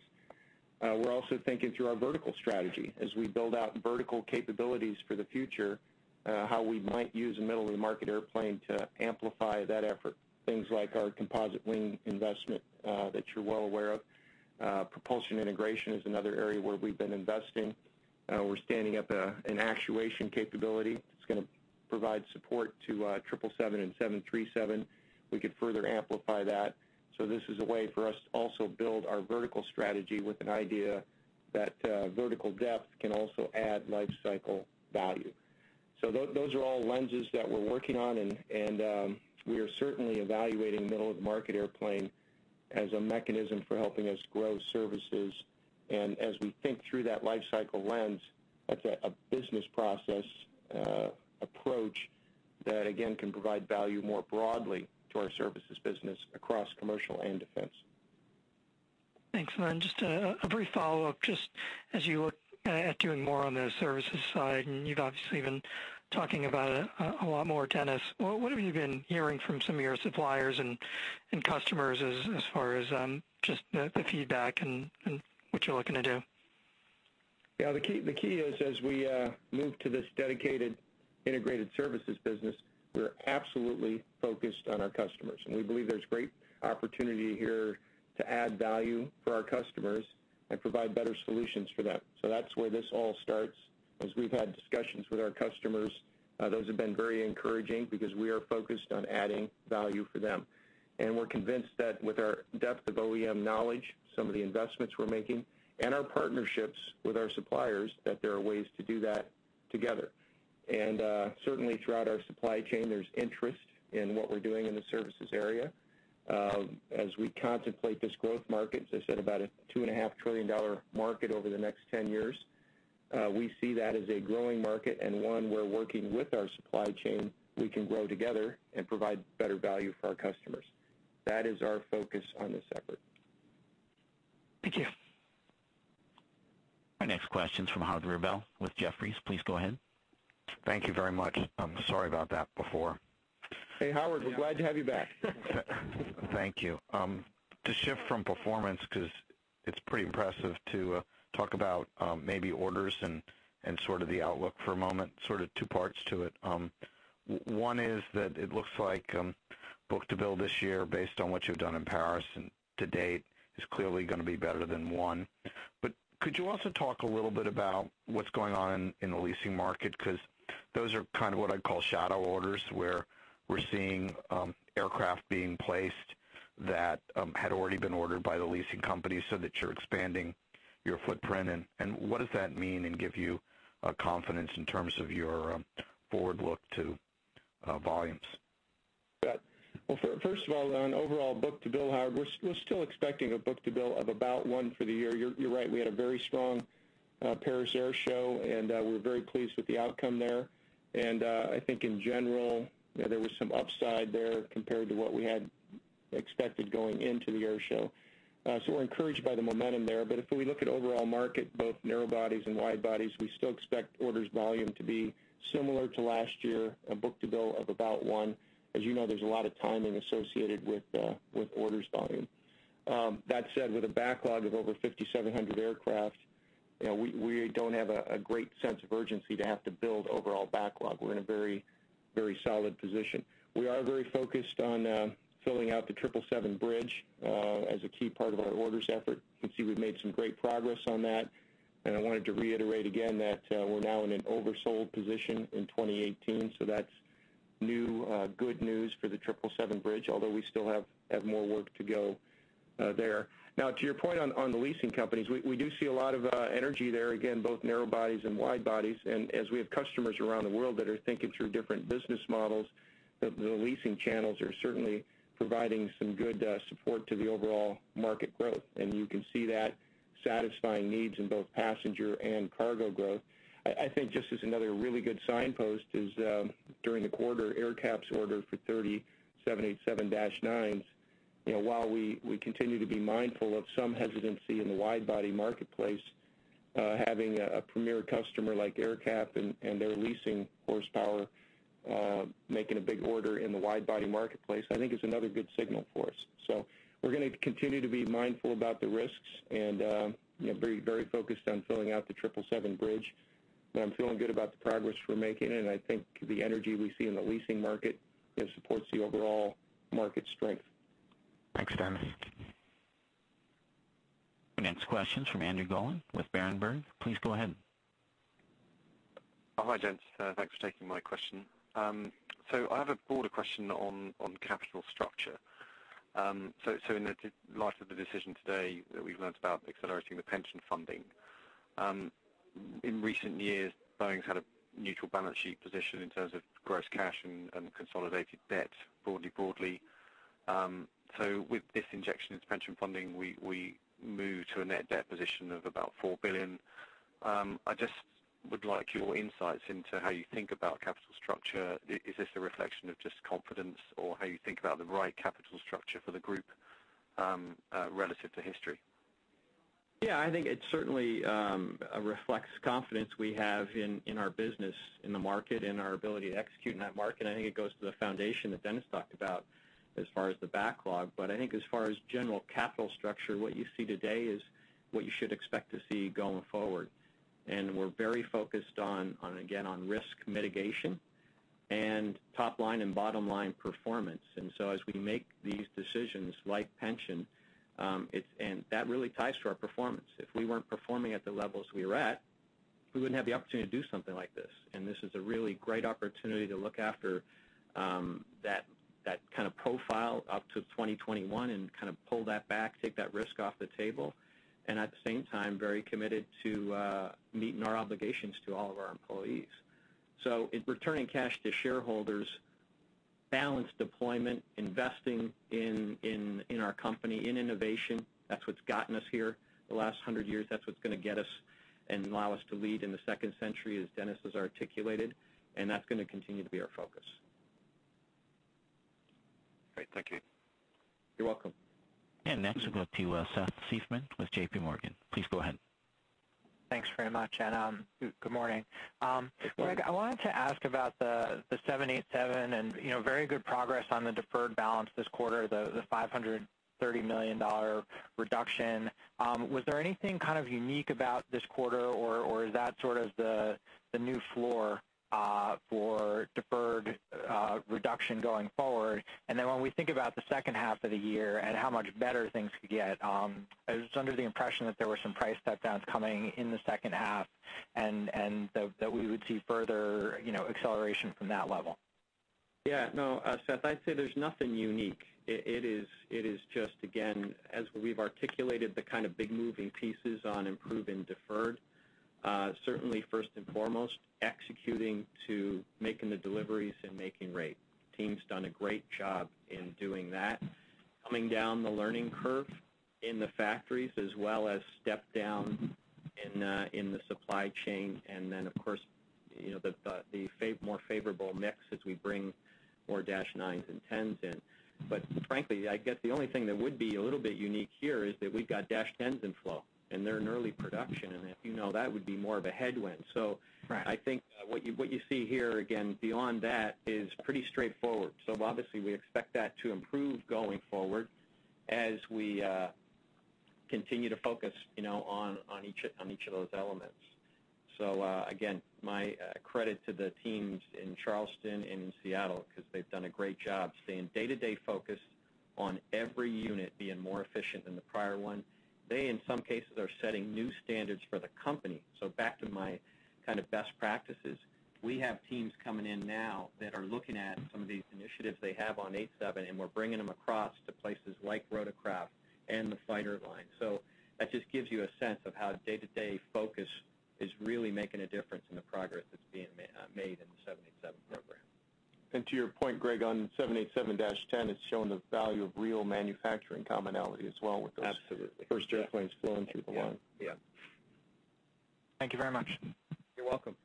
We're also thinking through our vertical strategy as we build out vertical capabilities for the future, how we might use a middle-of-the-market airplane to amplify that effort. Things like our composite wing investment that you're well aware of. Propulsion integration is another area where we've been investing. We're standing up an actuation capability. It's going to provide support to 777 and 737. We could further amplify that. This is a way for us to also build our vertical strategy with an idea that vertical depth can also add life cycle value. Those are all lenses that we're working on, and we are certainly evaluating middle-of-the-market airplane as a mechanism for helping us grow services. As we think through that life cycle lens, that's a business process approach that again can provide value more broadly to our services business across commercial and defense. Thanks. Then just a brief follow-up, just as you look at doing more on the services side, and you've obviously been talking about it a lot more, Dennis, what have you been hearing from some of your suppliers and customers as far as just the feedback and what you're looking to do? The key is as we move to this dedicated integrated services business, we're absolutely focused on our customers, and we believe there's great opportunity here to add value for our customers and provide better solutions for them. That's where this all starts. As we've had discussions with our customers, those have been very encouraging because we are focused on adding value for them. We're convinced that with our depth of OEM knowledge, some of the investments we're making, and our partnerships with our suppliers, that there are ways to do that together. Certainly, throughout our supply chain, there's interest in what we're doing in the services area. As we contemplate this growth market, as I said, about a $2.5 trillion market over the next 10 years, we see that as a growing market and one we're working with our supply chain, we can grow together and provide better value for our customers. That is our focus on this effort. Thank you. Our next question's from Howard Rubel with Jefferies. Please go ahead. Thank you very much. Sorry about that before. Hey, Howard. We're glad to have you back. Thank you. To shift from performance, because it is pretty impressive, to talk about maybe orders and sort of the outlook for a moment, sort of two parts to it. One is that it looks like book-to-bill this year based on what you've done in Paris and to date is clearly going to be better than one. Could you also talk a little bit about what's going on in the leasing market? Because those are kind of what I'd call shadow orders, where we're seeing aircraft being placed that had already been ordered by the leasing company so that you're expanding your footprint, and what does that mean and give you confidence in terms of your forward look to volumes? Well, first of all, on overall book-to-bill, Howard, we're still expecting a book-to-bill of about one for the year. You're right, we had a very strong Paris Air Show, and we're very pleased with the outcome there. I think in general, there was some upside there compared to what we had expected going into the air show. We're encouraged by the momentum there. If we look at overall market, both narrow bodies and wide bodies, we still expect orders volume to be similar to last year, a book-to-bill of about one. As you know, there's a lot of timing associated with orders volume. That said, with a backlog of over 5,700 aircraft, we don't have a great sense of urgency to have to build overall backlog. We're in a very solid position. We are very focused on filling out the 777 bridge as a key part of our orders effort. You can see we've made some great progress on that, and I wanted to reiterate again that we're now in an oversold position in 2018, so that's new good news for the 777 bridge, although we still have more work to go there. Now, to your point on the leasing companies, we do see a lot of energy there, again, both narrow bodies and wide bodies. As we have customers around the world that are thinking through different business models, the leasing channels are certainly providing some good support to the overall market growth. You can see that satisfying needs in both passenger and cargo growth. I think just as another really good signpost is during the quarter, AerCap's order for 30 787-9s. While we continue to be mindful of some hesitancy in the wide body marketplace, having a premier customer like AerCap and their leasing horsepower making a big order in the wide body marketplace, I think is another good signal for us. We're going to continue to be mindful about the risks and be very focused on filling out the 777 bridge. I'm feeling good about the progress we're making, and I think the energy we see in the leasing market supports the overall market strength. Thanks, Dennis. The next question's from Andrew Gollan with Berenberg. Please go ahead. Hi, gents. Thanks for taking my question. I have a broader question on capital structure. In light of the decision today that we've learnt about accelerating the pension funding. In recent years, Boeing's had a neutral balance sheet position in terms of gross cash and consolidated debt broadly. With this injection into pension funding, we move to a net debt position of about $4 billion. I just would like your insights into how you think about capital structure. Is this a reflection of just confidence or how you think about the right capital structure for the group relative to history? I think it certainly reflects confidence we have in our business, in the market, in our ability to execute in that market. I think it goes to the foundation that Dennis talked about as far as the backlog. I think as far as general capital structure, what you see today is what you should expect to see going forward. We're very focused, again, on risk mitigation and top-line and bottom-line performance. As we make these decisions, like pension, that really ties to our performance. If we weren't performing at the levels we are at, we wouldn't have the opportunity to do something like this. This is a really great opportunity to look after that kind of profile up to 2021 and kind of pull that back, take that risk off the table, and at the same time, very committed to meeting our obligations to all of our employees. It's returning cash to shareholders, balance deployment, investing in our company, in innovation. That's what's gotten us here the last 100 years. That's what's going to get us and allow us to lead in the second century, as Dennis has articulated, that's going to continue to be our focus. Great. Thank you. You're welcome. Next we'll go to Seth Seifman with JPMorgan. Please go ahead. Thanks very much. Good morning. Good morning. Greg, I wanted to ask about the 787 and very good progress on the deferred balance this quarter, the $530 million reduction. Was there anything kind of unique about this quarter, or is that sort of the new floor for deferred reduction going forward? When we think about the second half of the year and how much better things could get, I was under the impression that there were some price step downs coming in the second half, and that we would see further acceleration from that level. No, Seth, I'd say there's nothing unique. It is just, again, as we've articulated the kind of big moving pieces on improving deferred. Certainly, first and foremost, executing to making the deliveries and making rate. Team's done a great job in doing that. Coming down the learning curve in the factories as well as step down in the supply chain, and then, of course, the more favorable mix as we bring more dash 9s and 10s in. Frankly, I guess the only thing that would be a little bit unique here is that we've got dash 10s in flow, and they're in early production, and if you know, that would be more of a headwind. Right. I think what you see here, again, beyond that, is pretty straightforward. Obviously, we expect that to improve going forward as we continue to focus on each of those elements. Again, my credit to the teams in Charleston and in Seattle because they've done a great job staying day-to-day focused on every unit being more efficient than the prior one. They, in some cases, are setting new standards for the company. Back to my kind of best practices. We have teams coming in now that are looking at some of these initiatives they have on 87, and we're bringing them across to places like Rotorcraft and the fighter line. That just gives you a sense of how day-to-day focus is really making a difference in the progress that's being made in the 787 program. To your point, Greg, on 787-10, it's shown the value of real manufacturing commonality as well with Absolutely first airplanes flowing through the line. Yeah. Thank you very much. You're welcome.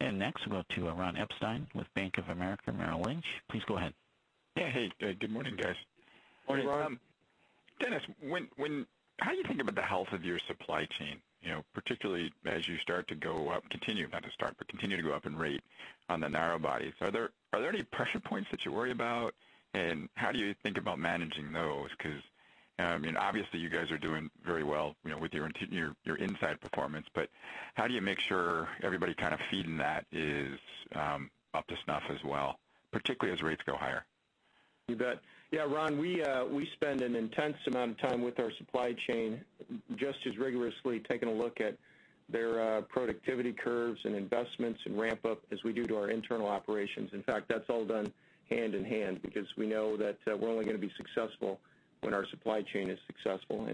Next, we'll go to Ronald Epstein with Bank of America Merrill Lynch. Please go ahead. Yeah. Hey, good morning, guys. Morning, Ron. Dennis, how do you think about the health of your supply chain, particularly as you start to go up, continue, not to start, but continue to go up in rate on the narrow bodies. Are there any pressure points that you worry about, and how do you think about managing those? I mean, obviously you guys are doing very well with your inside performance, but how do you make sure everybody kind of feeding that is up to snuff as well, particularly as rates go higher? You bet. Yeah, Ron, we spend an intense amount of time with our supply chain, just as rigorously taking a look at their productivity curves and investments and ramp up as we do to our internal operations. In fact, that's all done hand in hand because we know that we're only going to be successful when our supply chain is successful.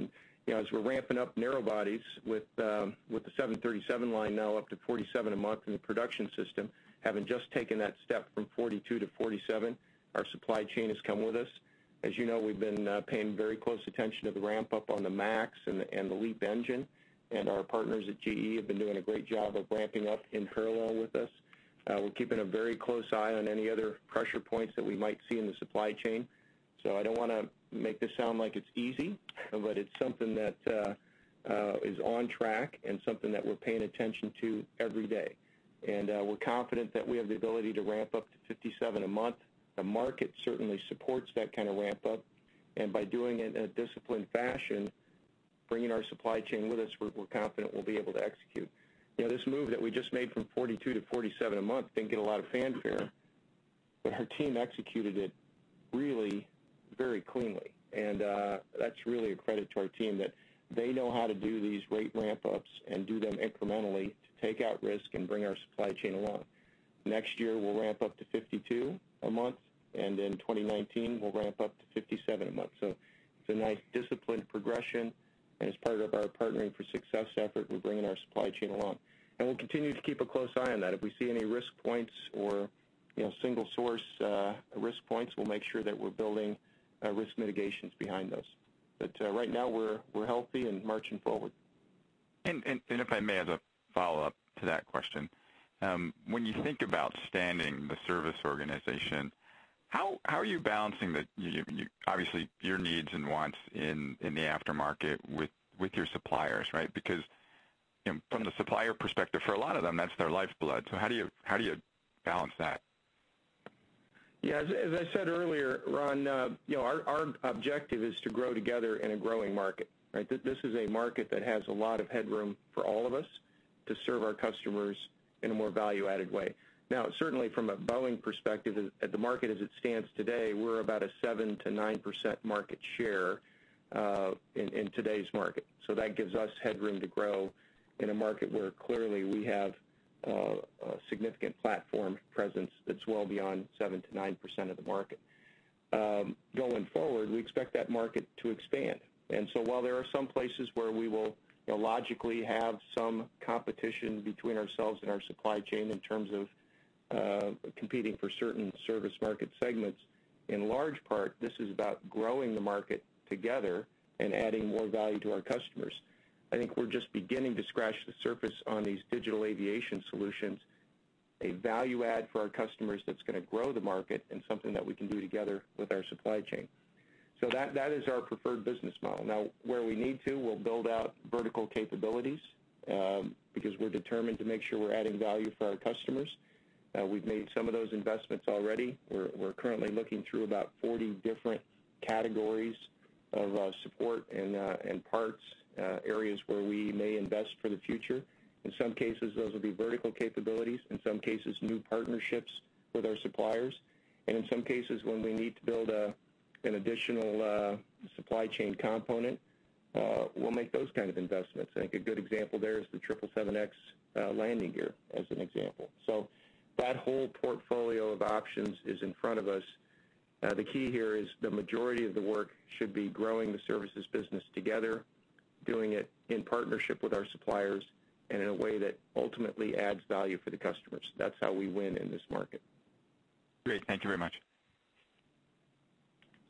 As we're ramping up narrow bodies with the 737 line now up to 47 a month in the production system, having just taken that step from 42 to 47, our supply chain has come with us. As you know, we've been paying very close attention to the ramp-up on the MAX and the LEAP engine, and our partners at GE have been doing a great job of ramping up in parallel with us. We're keeping a very close eye on any other pressure points that we might see in the supply chain. I don't want to make this sound like it's easy, but it's something that is on track and something that we're paying attention to every day. We're confident that we have the ability to ramp up to 57 a month. The market certainly supports that kind of ramp-up, and by doing it in a disciplined fashion, bringing our supply chain with us, we're confident we'll be able to execute. This move that we just made from 42 to 47 a month didn't get a lot of fanfare, but our team executed it really very cleanly. That's really a credit to our team that they know how to do these rate ramp-ups and do them incrementally to take out risk and bring our supply chain along. Next year, we'll ramp up to 52 a month, and in 2019, we'll ramp up to 57 a month. It's a nice, disciplined progression, and as part of our Partnering for Success effort, we're bringing our supply chain along. We'll continue to keep a close eye on that. If we see any risk points or single source risk points, we'll make sure that we're building risk mitigations behind those. Right now, we're healthy and marching forward. If I may, as a follow-up to that question, when you think about standing the service organization, how are you balancing, obviously, your needs and wants in the aftermarket with your suppliers, right? Because from the supplier perspective, for a lot of them, that's their lifeblood. How do you balance that? Yeah, as I said earlier, Ron, our objective is to grow together in a growing market, right? This is a market that has a lot of headroom for all of us to serve our customers in a more value-added way. Now, certainly from a Boeing perspective, at the market as it stands today, we're about a 7%-9% market share in today's market. That gives us headroom to grow in a market where clearly we have a significant platform presence that's well beyond 7%-9% of the market. Going forward, we expect that market to expand. While there are some places where we will logically have some competition between ourselves and our supply chain in terms of competing for certain service market segments, in large part, this is about growing the market together and adding more value to our customers. I think we're just beginning to scratch the surface on these digital aviation solutions, a value add for our customers that's going to grow the market and something that we can do together with our supply chain. That is our preferred business model. Now, where we need to, we'll build out vertical capabilities because we're determined to make sure we're adding value for our customers. We've made some of those investments already. We're currently looking through about 40 different categories of support and parts, areas where we may invest for the future. In some cases, those will be vertical capabilities, in some cases, new partnerships with our suppliers. In some cases, when we need to build an additional supply chain component, we'll make those kind of investments. I think a good example there is the 777X landing gear, as an example. That whole portfolio of options is in front of us. The key here is the majority of the work should be growing the services business together, doing it in partnership with our suppliers, and in a way that ultimately adds value for the customers. That's how we win in this market. Great. Thank you very much.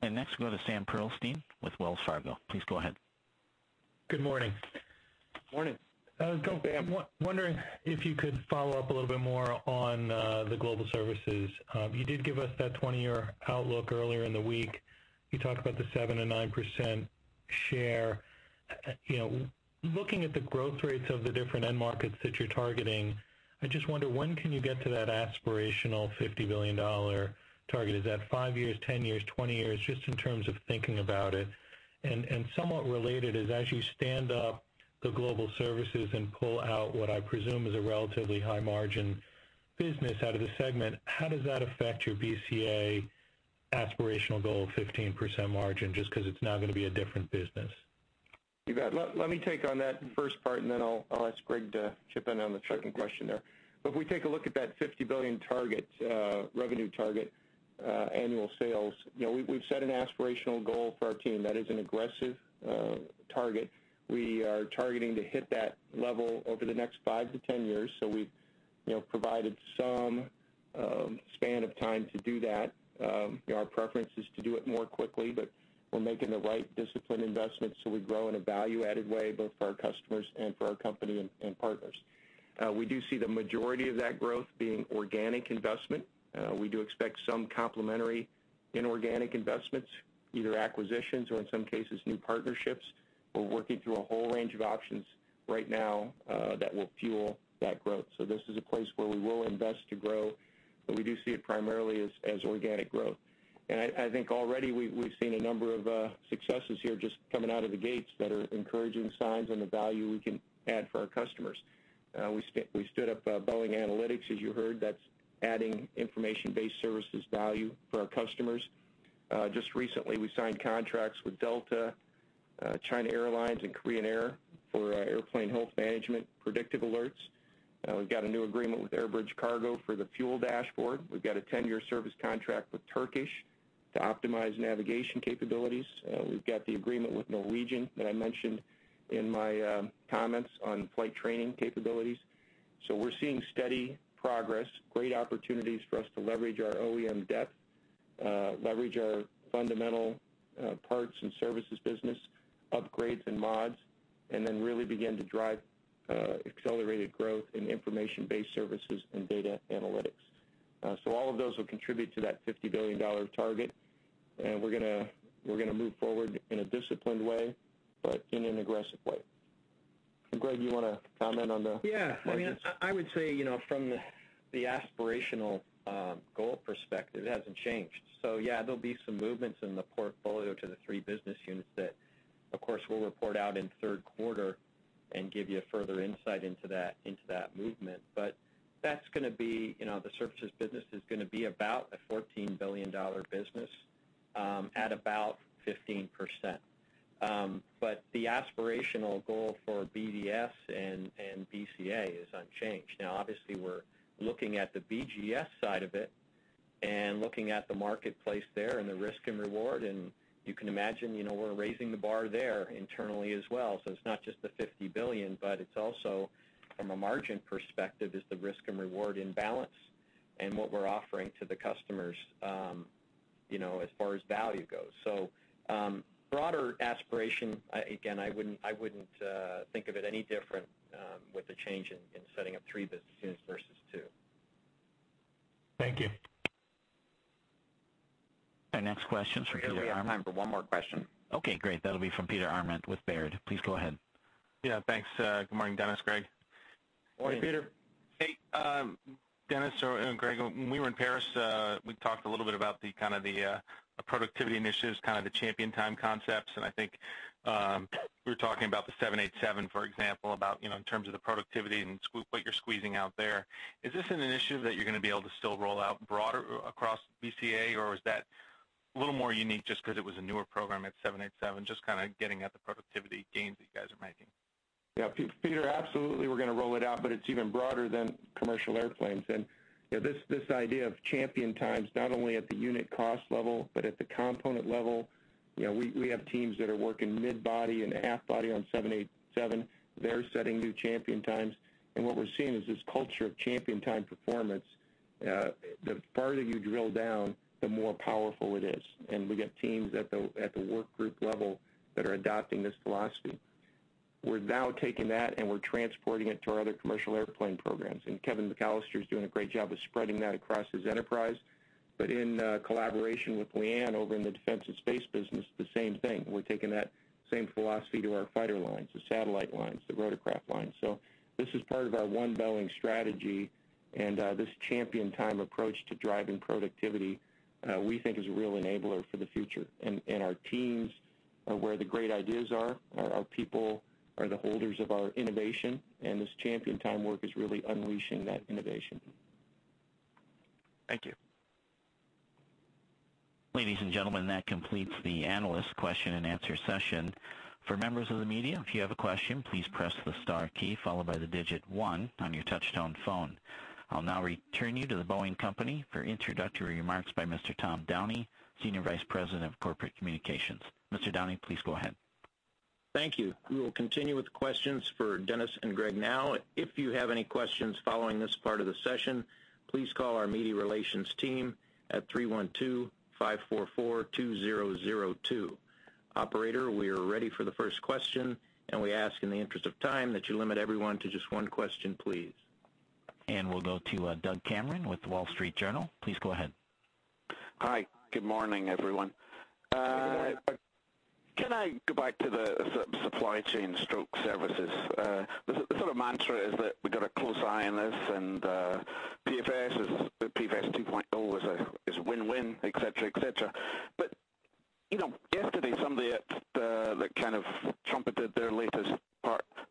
Next we go to Sam Pearlstein with Wells Fargo. Please go ahead. Good morning. Morning. I was wondering if you could follow up a little bit more on the Global Services. You did give us that 20-year outlook earlier in the week. You talked about the 7%-9% share. Looking at the growth rates of the different end markets that you're targeting, I just wonder when can you get to that aspirational $50 billion target? Is that 5 years, 10 years, 20 years, just in terms of thinking about it. Somewhat related is as you stand up the Global Services and pull out what I presume is a relatively high margin business out of the segment, how does that affect your BCA aspirational goal of 15% margin, just because it's now going to be a different business? You bet. Let me take on that first part, then I'll ask Greg to chip in on the second question there. If we take a look at that $50 billion revenue target annual sales, we've set an aspirational goal for our team. That is an aggressive target. We are targeting to hit that level over the next 5-10 years, so we've provided some span of time to do that. Our preference is to do it more quickly, but we're making the right disciplined investments so we grow in a value-added way, both for our customers and for our company and partners. We do see the majority of that growth being organic investment. We do expect some complementary inorganic investments, either acquisitions or in some cases, new partnerships. We're working through a whole range of options right now that will fuel that growth. This is a place where we will invest to grow, but we do see it primarily as organic growth. I think already we've seen a number of successes here just coming out of the gates that are encouraging signs on the value we can add for our customers. We stood up Boeing AnalytX, as you heard. That's adding information-based services value for our customers. Just recently, we signed contracts with Delta Air Lines, China Airlines, and Korean Air for airplane health management predictive alerts. We've got a new agreement with AirBridgeCargo for the fuel dashboard. We've got a 10-year service contract with Turkish to optimize navigation capabilities. We've got the agreement with Norwegian that I mentioned in my comments on flight training capabilities. We're seeing steady progress, great opportunities for us to leverage our OEM depth, leverage our fundamental parts and services business, upgrades, and mods, then really begin to drive accelerated growth in information-based services and data analytics. All of those will contribute to that $50 billion target. We're going to move forward in a disciplined way, but in an aggressive way. Greg, you want to comment on the- Yeah. I would say, from the aspirational goal perspective, it hasn't changed. Yeah, there'll be some movements in the portfolio to the three business units that, of course, we'll report out in the third quarter and give you further insight into that movement. The services business is going to be about a $14 billion business, at about 15%. The aspirational goal for BDS and BCA is unchanged. Obviously, we're looking at the BGS side of it, and looking at the marketplace there, and the risk and reward, and you can imagine, we're raising the bar there internally as well. It's not just the $50 billion, but it's also, from a margin perspective, is the risk and reward in balance and what we're offering to the customers, as far as value goes. Broader aspiration, again, I wouldn't think of it any different with the change in setting up three business units versus two. Thank you. Our next question's from Peter Arment. We have time for one more question. Okay, great. That'll be from Peter Arment with Baird. Please go ahead. Yeah, thanks. Good morning, Dennis, Greg. Morning, Peter. Hey, Dennis or Greg. When we were in Paris, we talked a little bit about the productivity initiatives, kind of the Champion time concepts, and I think we were talking about the 787, for example, about in terms of the productivity and what you're squeezing out there. Is this an issue that you're going to be able to still roll out broader across BCA, or is that a little more unique just because it was a newer program at 787, just kind of getting at the productivity gains that you guys are making? Yeah, Peter, absolutely, we're going to roll it out, but it's even broader than commercial airplanes. This idea of Champion times, not only at the unit cost level, but at the component level. We have teams that are working mid-body and half-body on 787. They're setting new Champion times, and what we're seeing is this culture of Champion time performance. The farther you drill down, the more powerful it is. We've got teams at the work group level that are adopting this philosophy. We're now taking that, and we're transporting it to our other commercial airplane programs. Kevin McAllister's doing a great job of spreading that across his enterprise. In collaboration with Leanne over in the Defense, Space & Security business, the same thing. We're taking that same philosophy to our fighter lines, the satellite lines, the rotorcraft lines. This is part of our One Boeing strategy, and this Champion time approach to driving productivity, we think is a real enabler for the future. Our teams are where the great ideas are. Our people are the holders of our innovation, and this Champion time work is really unleashing that innovation. Thank you. Ladies and gentlemen, that completes the analyst question and answer session. For members of the media, if you have a question, please press the star key followed by the digit 1 on your touch-tone phone. I'll now return you to The Boeing Company for introductory remarks by Mr. Tom Downey, Senior Vice President of Corporate Communications. Mr. Downey, please go ahead. Thank you. We will continue with questions for Dennis and Greg now. If you have any questions following this part of the session, please call our media relations team at 312-544-2002. Operator, we are ready for the first question, and we ask in the interest of time that you limit everyone to just one question, please. We'll go to Doug Cameron with The Wall Street Journal. Please go ahead. Hi. Good morning, everyone. Good morning. Can I go back to the supply chain stroke services? The sort of mantra is that we've got a close eye on this, and PFS 2.0 is a win-win, et cetera. Yesterday, somebody that kind of trumpeted their latest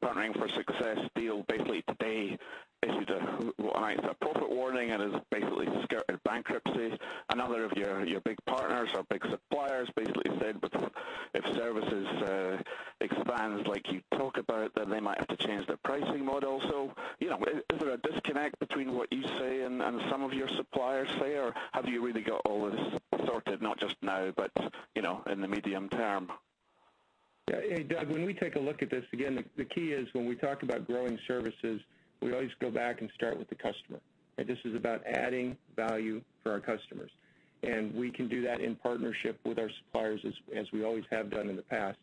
Partnering for Success deal, basically today issued a profit warning and has basically skirted bankruptcy. Another of your big partners or big suppliers basically said if services expands like you talk about, then they might have to change their pricing model. Is there a disconnect between what you say and some of your suppliers say, or have you really got all this sorted, not just now, but in the medium term? Yeah. Hey, Doug, when we take a look at this, again, the key is when we talk about growing services, we always go back and start with the customer. This is about adding value for our customers. We can do that in partnership with our suppliers as we always have done in the past.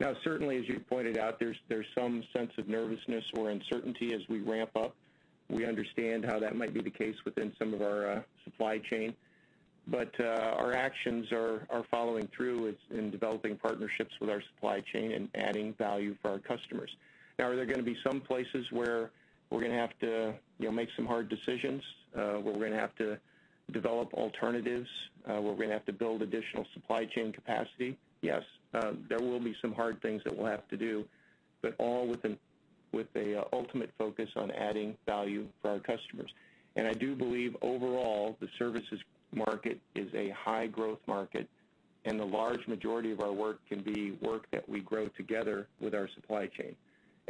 Now, certainly, as you pointed out, there's some sense of nervousness or uncertainty as we ramp up. We understand how that might be the case within some of our supply chain. Our actions are following through in developing partnerships with our supply chain and adding value for our customers. Now, are there going to be some places where we're going to have to make some hard decisions, where we're going to have to develop alternatives, where we're going to have to build additional supply chain capacity? Yes. There will be some hard things that we'll have to do, but all with an ultimate focus on adding value for our customers. I do believe overall, the services market is a high growth market, and the large majority of our work can be work that we grow together with our supply chain.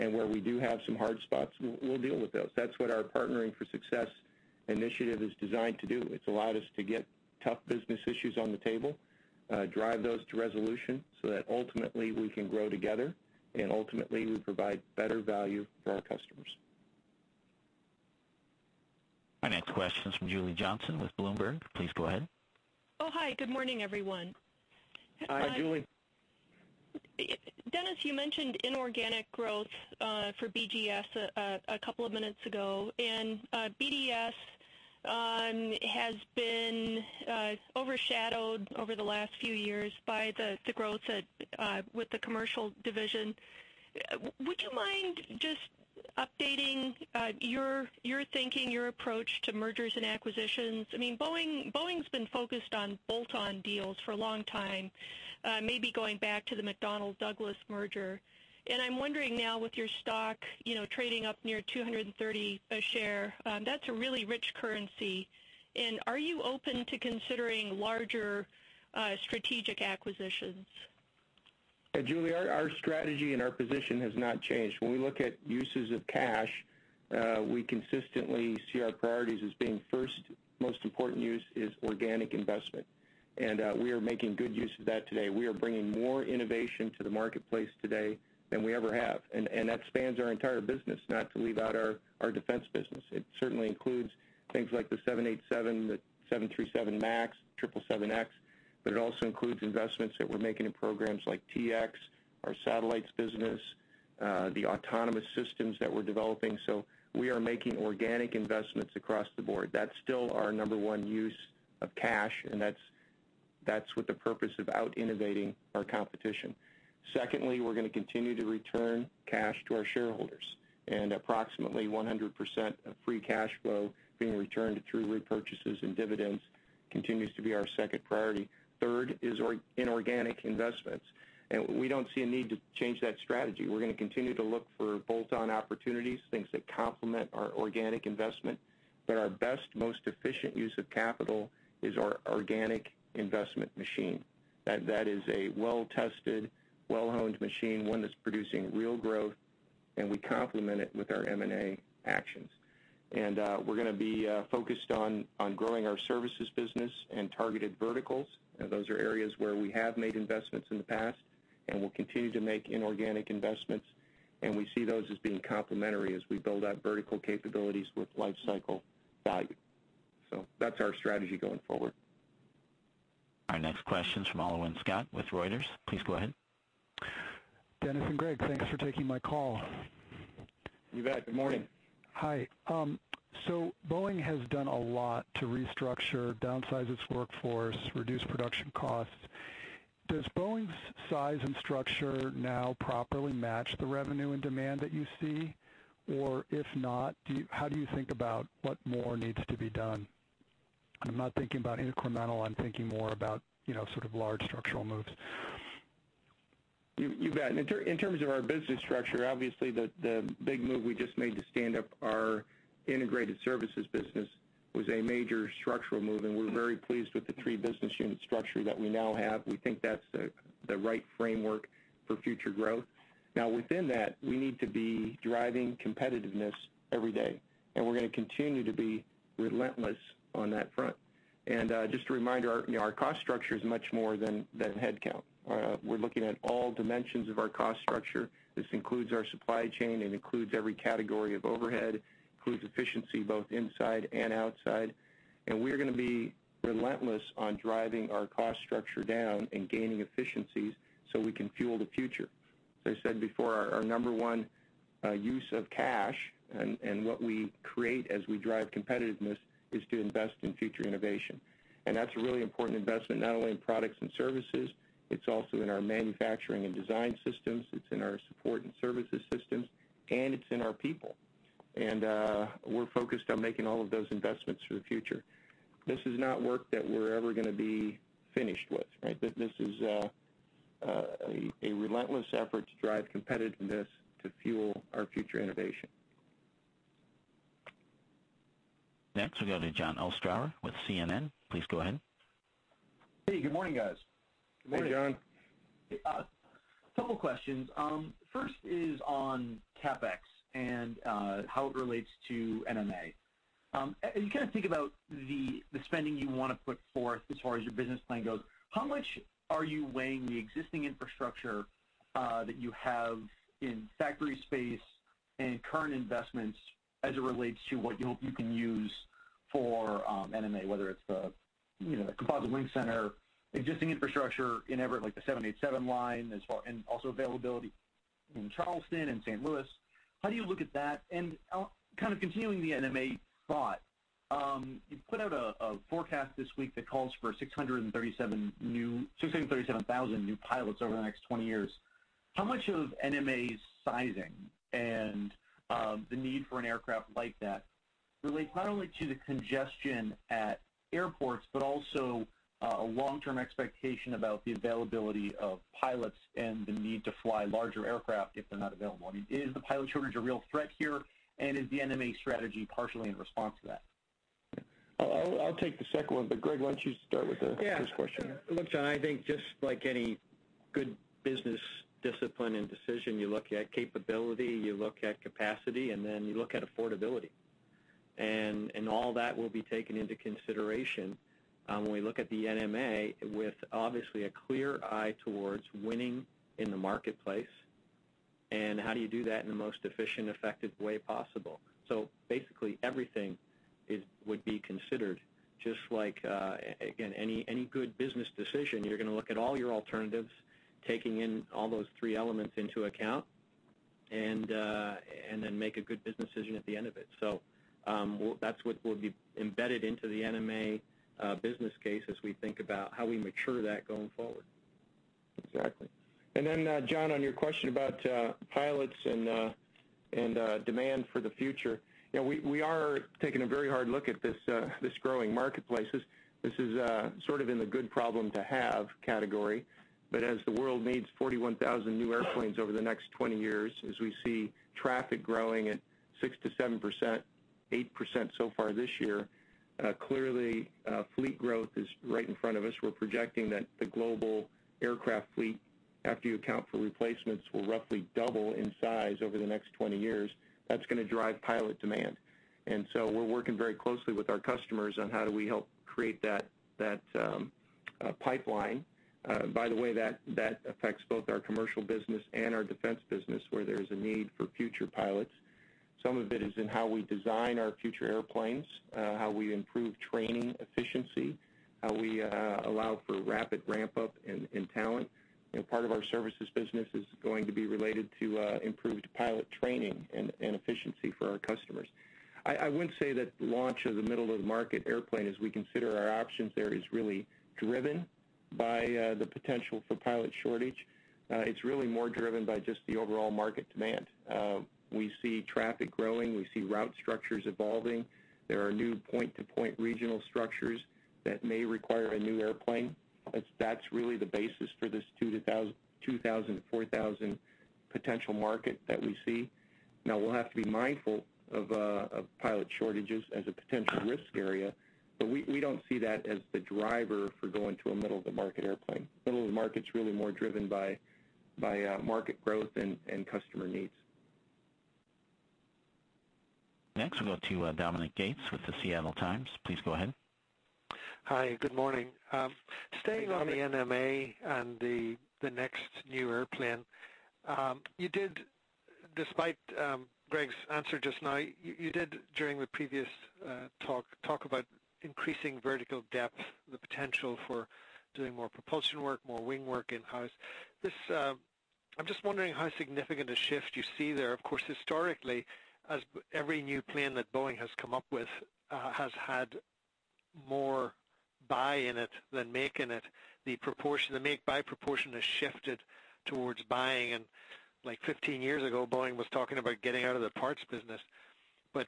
Where we do have some hard spots, we'll deal with those. That's what our Partnering for Success initiative is designed to do. It's allowed us to get tough business issues on the table, drive those to resolution so that ultimately we can grow together, and ultimately we provide better value for our customers. Our next question's from Julie Johnsson with Bloomberg. Please go ahead. Hi. Good morning, everyone. Hi, Julie. Dennis, you mentioned inorganic growth for BGS a couple of minutes ago, BDS has been overshadowed over the last few years by the growth with the commercial division. Would you mind just updating your thinking, your approach to mergers and acquisitions? Boeing's been focused on bolt-on deals for a long time, maybe going back to the McDonnell Douglas merger. I'm wondering now with your stock trading up near $230 a share, that's a really rich currency. Are you open to considering larger strategic acquisitions? Yeah, Julie, our strategy and our position has not changed. When we look at uses of cash, we consistently see our priorities as being first, most important use is organic investment. We are making good use of that today. We are bringing more innovation to the marketplace today than we ever have. That spans our entire business, not to leave out our defense business. It certainly includes things like the 787, the 737 MAX, 777X, but it also includes investments that we're making in programs like T-X, our satellites business, the autonomous systems that we're developing. We are making organic investments across the board. That's still our number 1 use of cash, and that's with the purpose of out-innovating our competition. Secondly, we're going to continue to return cash to our shareholders, approximately 100% of free cash flow being returned through repurchases and dividends continues to be our second priority. Third is inorganic investments. We don't see a need to change that strategy. We're going to continue to look for bolt-on opportunities, things that complement our organic investment. Our best, most efficient use of capital is our organic investment machine. That is a well-tested, well-honed machine, one that's producing real growth, we complement it with our M&A actions. We're going to be focused on growing our services business and targeted verticals. Those are areas where we have made investments in the past, we'll continue to make inorganic investments. We see those as being complementary as we build out vertical capabilities with life cycle value. That's our strategy going forward. Our next question's from Alwyn Scott with Reuters. Please go ahead. Dennis and Greg, thanks for taking my call. You bet. Good morning. Hi. Boeing has done a lot to restructure, downsize its workforce, reduce production costs. Does Boeing's size and structure now properly match the revenue and demand that you see? If not, how do you think about what more needs to be done? I'm not thinking about incremental, I'm thinking more about sort of large structural moves. You bet. In terms of our business structure, obviously the big move we just made to stand up our integrated services business was a major structural move, and we're very pleased with the three business unit structure that we now have. We think that's the right framework for future growth. Now, within that, we need to be driving competitiveness every day. We're going to continue to be relentless on that front. Just a reminder, our cost structure is much more than headcount. We're looking at all dimensions of our cost structure. This includes our supply chain, it includes every category of overhead, includes efficiency both inside and outside. We're going to be relentless on driving our cost structure down and gaining efficiencies so we can fuel the future. As I said before, our number one use of cash, and what we create as we drive competitiveness, is to invest in future innovation. That's a really important investment, not only in products and services, it's also in our manufacturing and design systems, it's in our support and services systems, and it's in our people. We're focused on making all of those investments for the future. This is not work that we're ever going to be finished with, right? This is a relentless effort to drive competitiveness to fuel our future innovation. Next, we'll go to Jon Ostrower with CNN. Please go ahead. Hey, good morning, guys. Good morning. Hey, Jon. A couple questions. First is on CapEx and how it relates to NMA. You kind of think about the spending you want to put forth as far as your business plan goes. How much are you weighing the existing infrastructure that you have in factory space and current investments as it relates to what you hope you can use for NMA, whether it's the Composite Wing Center, existing infrastructure in Everett, like the 787 line, and also availability in Charleston and St. Louis. How do you look at that? Kind of continuing the NMA thought, you put out a forecast this week that calls for 637,000 new pilots over the next 20 years. How much of NMA's sizing and the need for an aircraft like that relate not only to the congestion at airports, but also a long-term expectation about the availability of pilots and the need to fly larger aircraft if they're not available. Is the pilot shortage a real threat here, and is the NMA strategy partially in response to that? I'll take the second one, but Greg, why don't you start with this question? Look, Jon, I think just like any good business discipline and decision, you look at capability, you look at capacity, then you look at affordability. All that will be taken into consideration when we look at the NMA with, obviously, a clear eye towards winning in the marketplace, and how do you do that in the most efficient, effective way possible. Basically, everything would be considered. Just like, again, any good business decision, you're going to look at all your alternatives, taking in all those three elements into account, then make a good business decision at the end of it. That's what will be embedded into the NMA business case as we think about how we mature that going forward. Exactly. Then, Jon, on your question about pilots and demand for the future. We are taking a very hard look at this growing marketplace. This is sort of in the good problem to have category. But as the world needs 41,000 new airplanes over the next 20 years, as we see traffic growing at 6%-7%, 8% so far this year, clearly, fleet growth is right in front of us. We're projecting that the global aircraft fleet, after you account for replacements, will roughly double in size over the next 20 years. That's going to drive pilot demand. We're working very closely with our customers on how do we help create that pipeline. By the way, that affects both our commercial business and our defense business, where there's a need for future pilots. Some of it is in how we design our future airplanes, how we improve training efficiency, how we allow for rapid ramp-up in talent. Part of our services business is going to be related to improved pilot training and efficiency for our customers. I wouldn't say that launch of the middle of the market airplane, as we consider our options there, is really driven by the potential for pilot shortage. It's really more driven by just the overall market demand. We see traffic growing. We see route structures evolving. There are new point-to-point regional structures that may require a new airplane. That's really the basis for this 2,000-4,000 potential market that we see. Now, we'll have to be mindful of pilot shortages as a potential risk area, but we don't see that as the driver for going to a middle of the market airplane. Middle of the market's really more driven by market growth and customer needs. Next, we'll go to Dominic Gates with The Seattle Times. Please go ahead. Hi, good morning. Staying on the NMA and the next new airplane. Despite Greg's answer just now, you did, during the previous talk about increasing vertical depth, the potential for doing more propulsion work, more wing work in-house. I'm just wondering how significant a shift you see there. Of course, historically, as every new plane that Boeing has come up with has had more buy in it than make in it. The make-buy proportion has shifted towards buying, and 15 years ago, Boeing was talking about getting out of the parts business.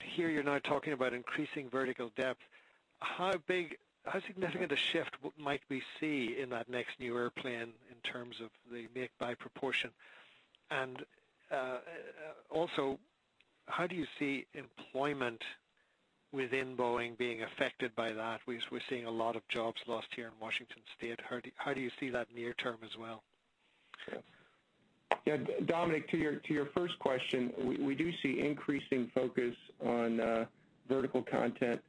Here you're now talking about increasing vertical depth. How significant a shift might we see in that next new airplane in terms of the make-buy proportion? Also, how do you see employment within Boeing being affected by that? We're seeing a lot of jobs lost here in Washington State. How do you see that near term as well? Yeah. Dominic, to your first question, we do see increasing focus on vertical content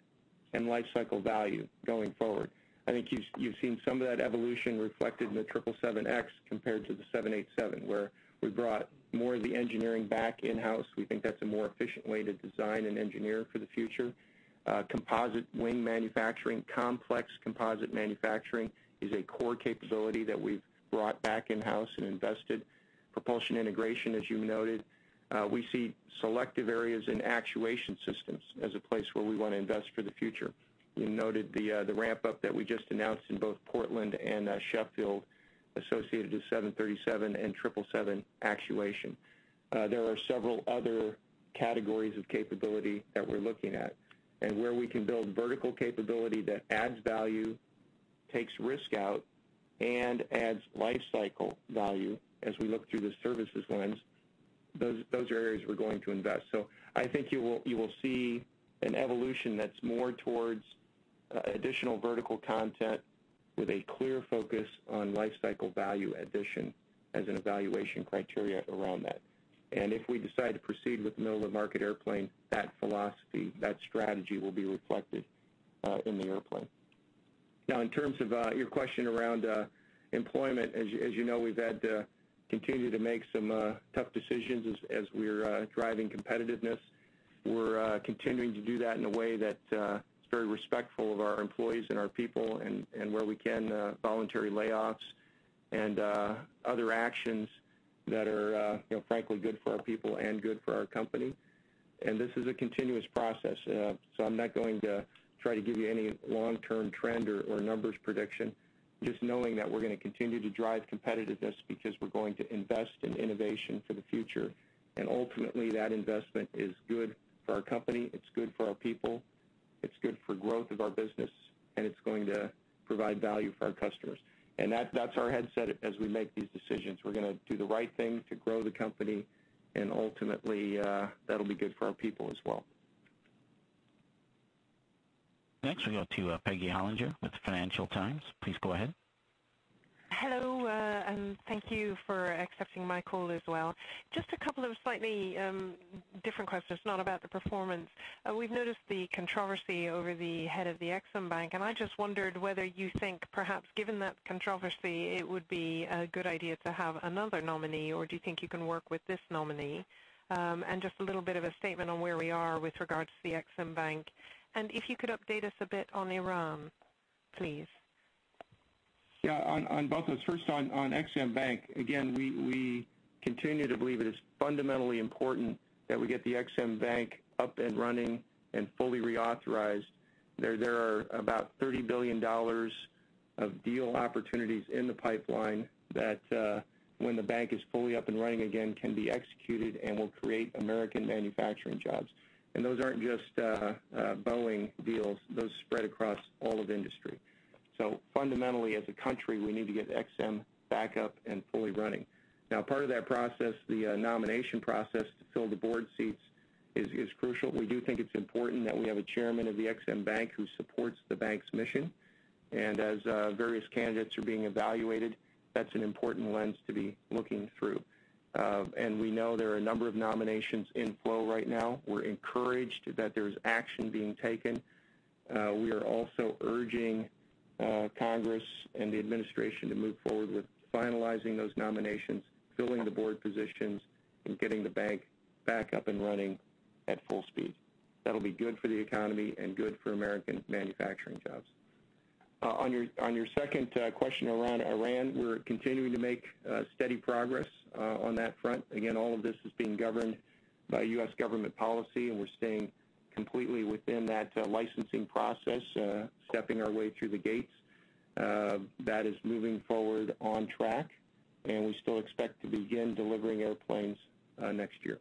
and life cycle value going forward. I think you've seen some of that evolution reflected in the 777X compared to the 787, where we brought more of the engineering back in-house. We think that's a more efficient way to design and engineer for the future. Composite wing manufacturing, complex composite manufacturing is a core capability that we've brought back in-house and invested. Propulsion integration, as you noted. We see selective areas in actuation systems as a place where we want to invest for the future. We noted the ramp-up that we just announced in both Portland and Sheffield associated with 737 and 777 actuation. There are several other categories of capability that we're looking at, and where we can build vertical capability that adds value, takes risk out, and adds life cycle value as we look through the services lens, those are areas we're going to invest. So I think you will see an evolution that's more towards additional vertical content with a clear focus on life cycle value addition as an evaluation criteria around that. If we decide to proceed with the middle of the market airplane, that philosophy, that strategy, will be reflected in the airplane. Now, in terms of your question around employment, as you know, we've had to continue to make some tough decisions as we're driving competitiveness. We're continuing to do that in a way that is very respectful of our employees and our people and, where we can, voluntary layoffs and other actions that are frankly good for our people and good for our company. This is a continuous process, so I'm not going to try to give you any long-term trend or numbers prediction. Just knowing that we're going to continue to drive competitiveness because we're going to invest in innovation for the future. Ultimately, that investment is good for our company, it's good for our people, it's good for growth of our business, and it's going to provide value for our customers. That's our headset as we make these decisions. We're going to do the right thing to grow the company, and ultimately, that'll be good for our people as well. Next, we go to Peggy Hollinger with the Financial Times. Please go ahead. Hello. Thank you for accepting my call as well. Just a couple of slightly different questions, not about the performance. We've noticed the controversy over the head of the Ex-Im Bank, and I just wondered whether you think perhaps given that controversy, it would be a good idea to have another nominee, or do you think you can work with this nominee? Just a little bit of a statement on where we are with regards to the Ex-Im Bank. If you could update us a bit on Iran, please. On both those. First on Ex-Im Bank, again, we continue to believe it is fundamentally important that we get the Ex-Im Bank up and running and fully reauthorized. There are about $30 billion of deal opportunities in the pipeline that, when the bank is fully up and running again, can be executed and will create American manufacturing jobs. Those aren't just Boeing deals. Those spread across all of industry. Fundamentally, as a country, we need to get Ex-Im back up and fully running. Now, part of that process, the nomination process to fill the board seats is crucial. We do think it's important that we have a chairman of the Ex-Im Bank who supports the bank's mission. As various candidates are being evaluated, that's an important lens to be looking through. We know there are a number of nominations in flow right now. We're encouraged that there's action being taken. We are also urging Congress and the administration to move forward with finalizing those nominations, filling the board positions, and getting the bank back up and running at full speed. That'll be good for the economy and good for American manufacturing jobs. On your second question around Iran, we're continuing to make steady progress on that front. Again, all of this is being governed by U.S. government policy, and we're staying completely within that licensing process, stepping our way through the gates. That is moving forward on track, and we still expect to begin delivering airplanes next year.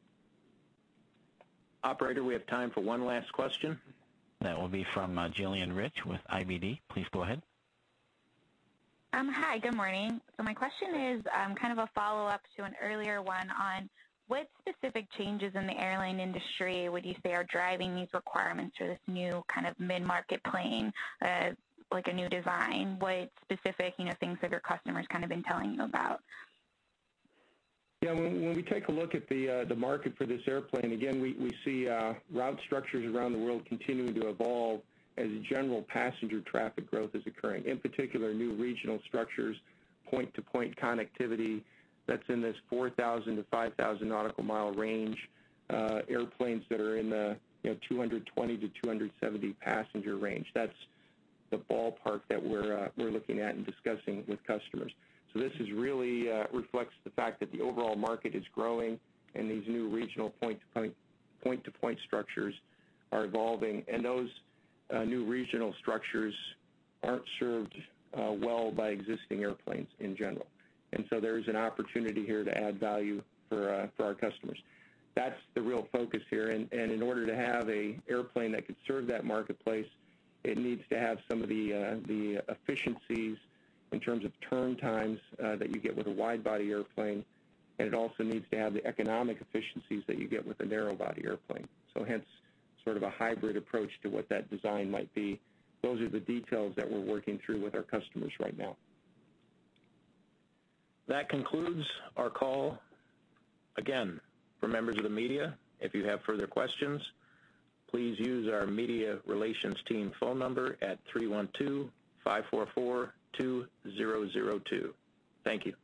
Operator, we have time for one last question. That will be from Gillian Rich with IBD. Please go ahead. Hi. Good morning. My question is kind of a follow-up to an earlier one on, what specific changes in the airline industry would you say are driving these requirements for this new kind of mid-market plane, like a new design? What specific things have your customers kind of been telling you about? When we take a look at the market for this airplane, again, we see route structures around the world continuing to evolve as general passenger traffic growth is occurring, in particular, new regional structures, point-to-point connectivity that's in this 4,000- to 5,000-nautical-mile range, airplanes that are in the 220 to 270 passenger range. That's the ballpark that we're looking at and discussing with customers. This really reflects the fact that the overall market is growing and these new regional point-to-point structures are evolving, and those new regional structures aren't served well by existing airplanes in general. There's an opportunity here to add value for our customers. That's the real focus here, in order to have an airplane that could serve that marketplace, it needs to have some of the efficiencies in terms of turn times that you get with a wide-body airplane, and it also needs to have the economic efficiencies that you get with a narrow-body airplane. Hence, sort of a hybrid approach to what that design might be. Those are the details that we're working through with our customers right now. That concludes our call. Again, for members of the media, if you have further questions, please use our media relations team phone number at 312-544-2002. Thank you.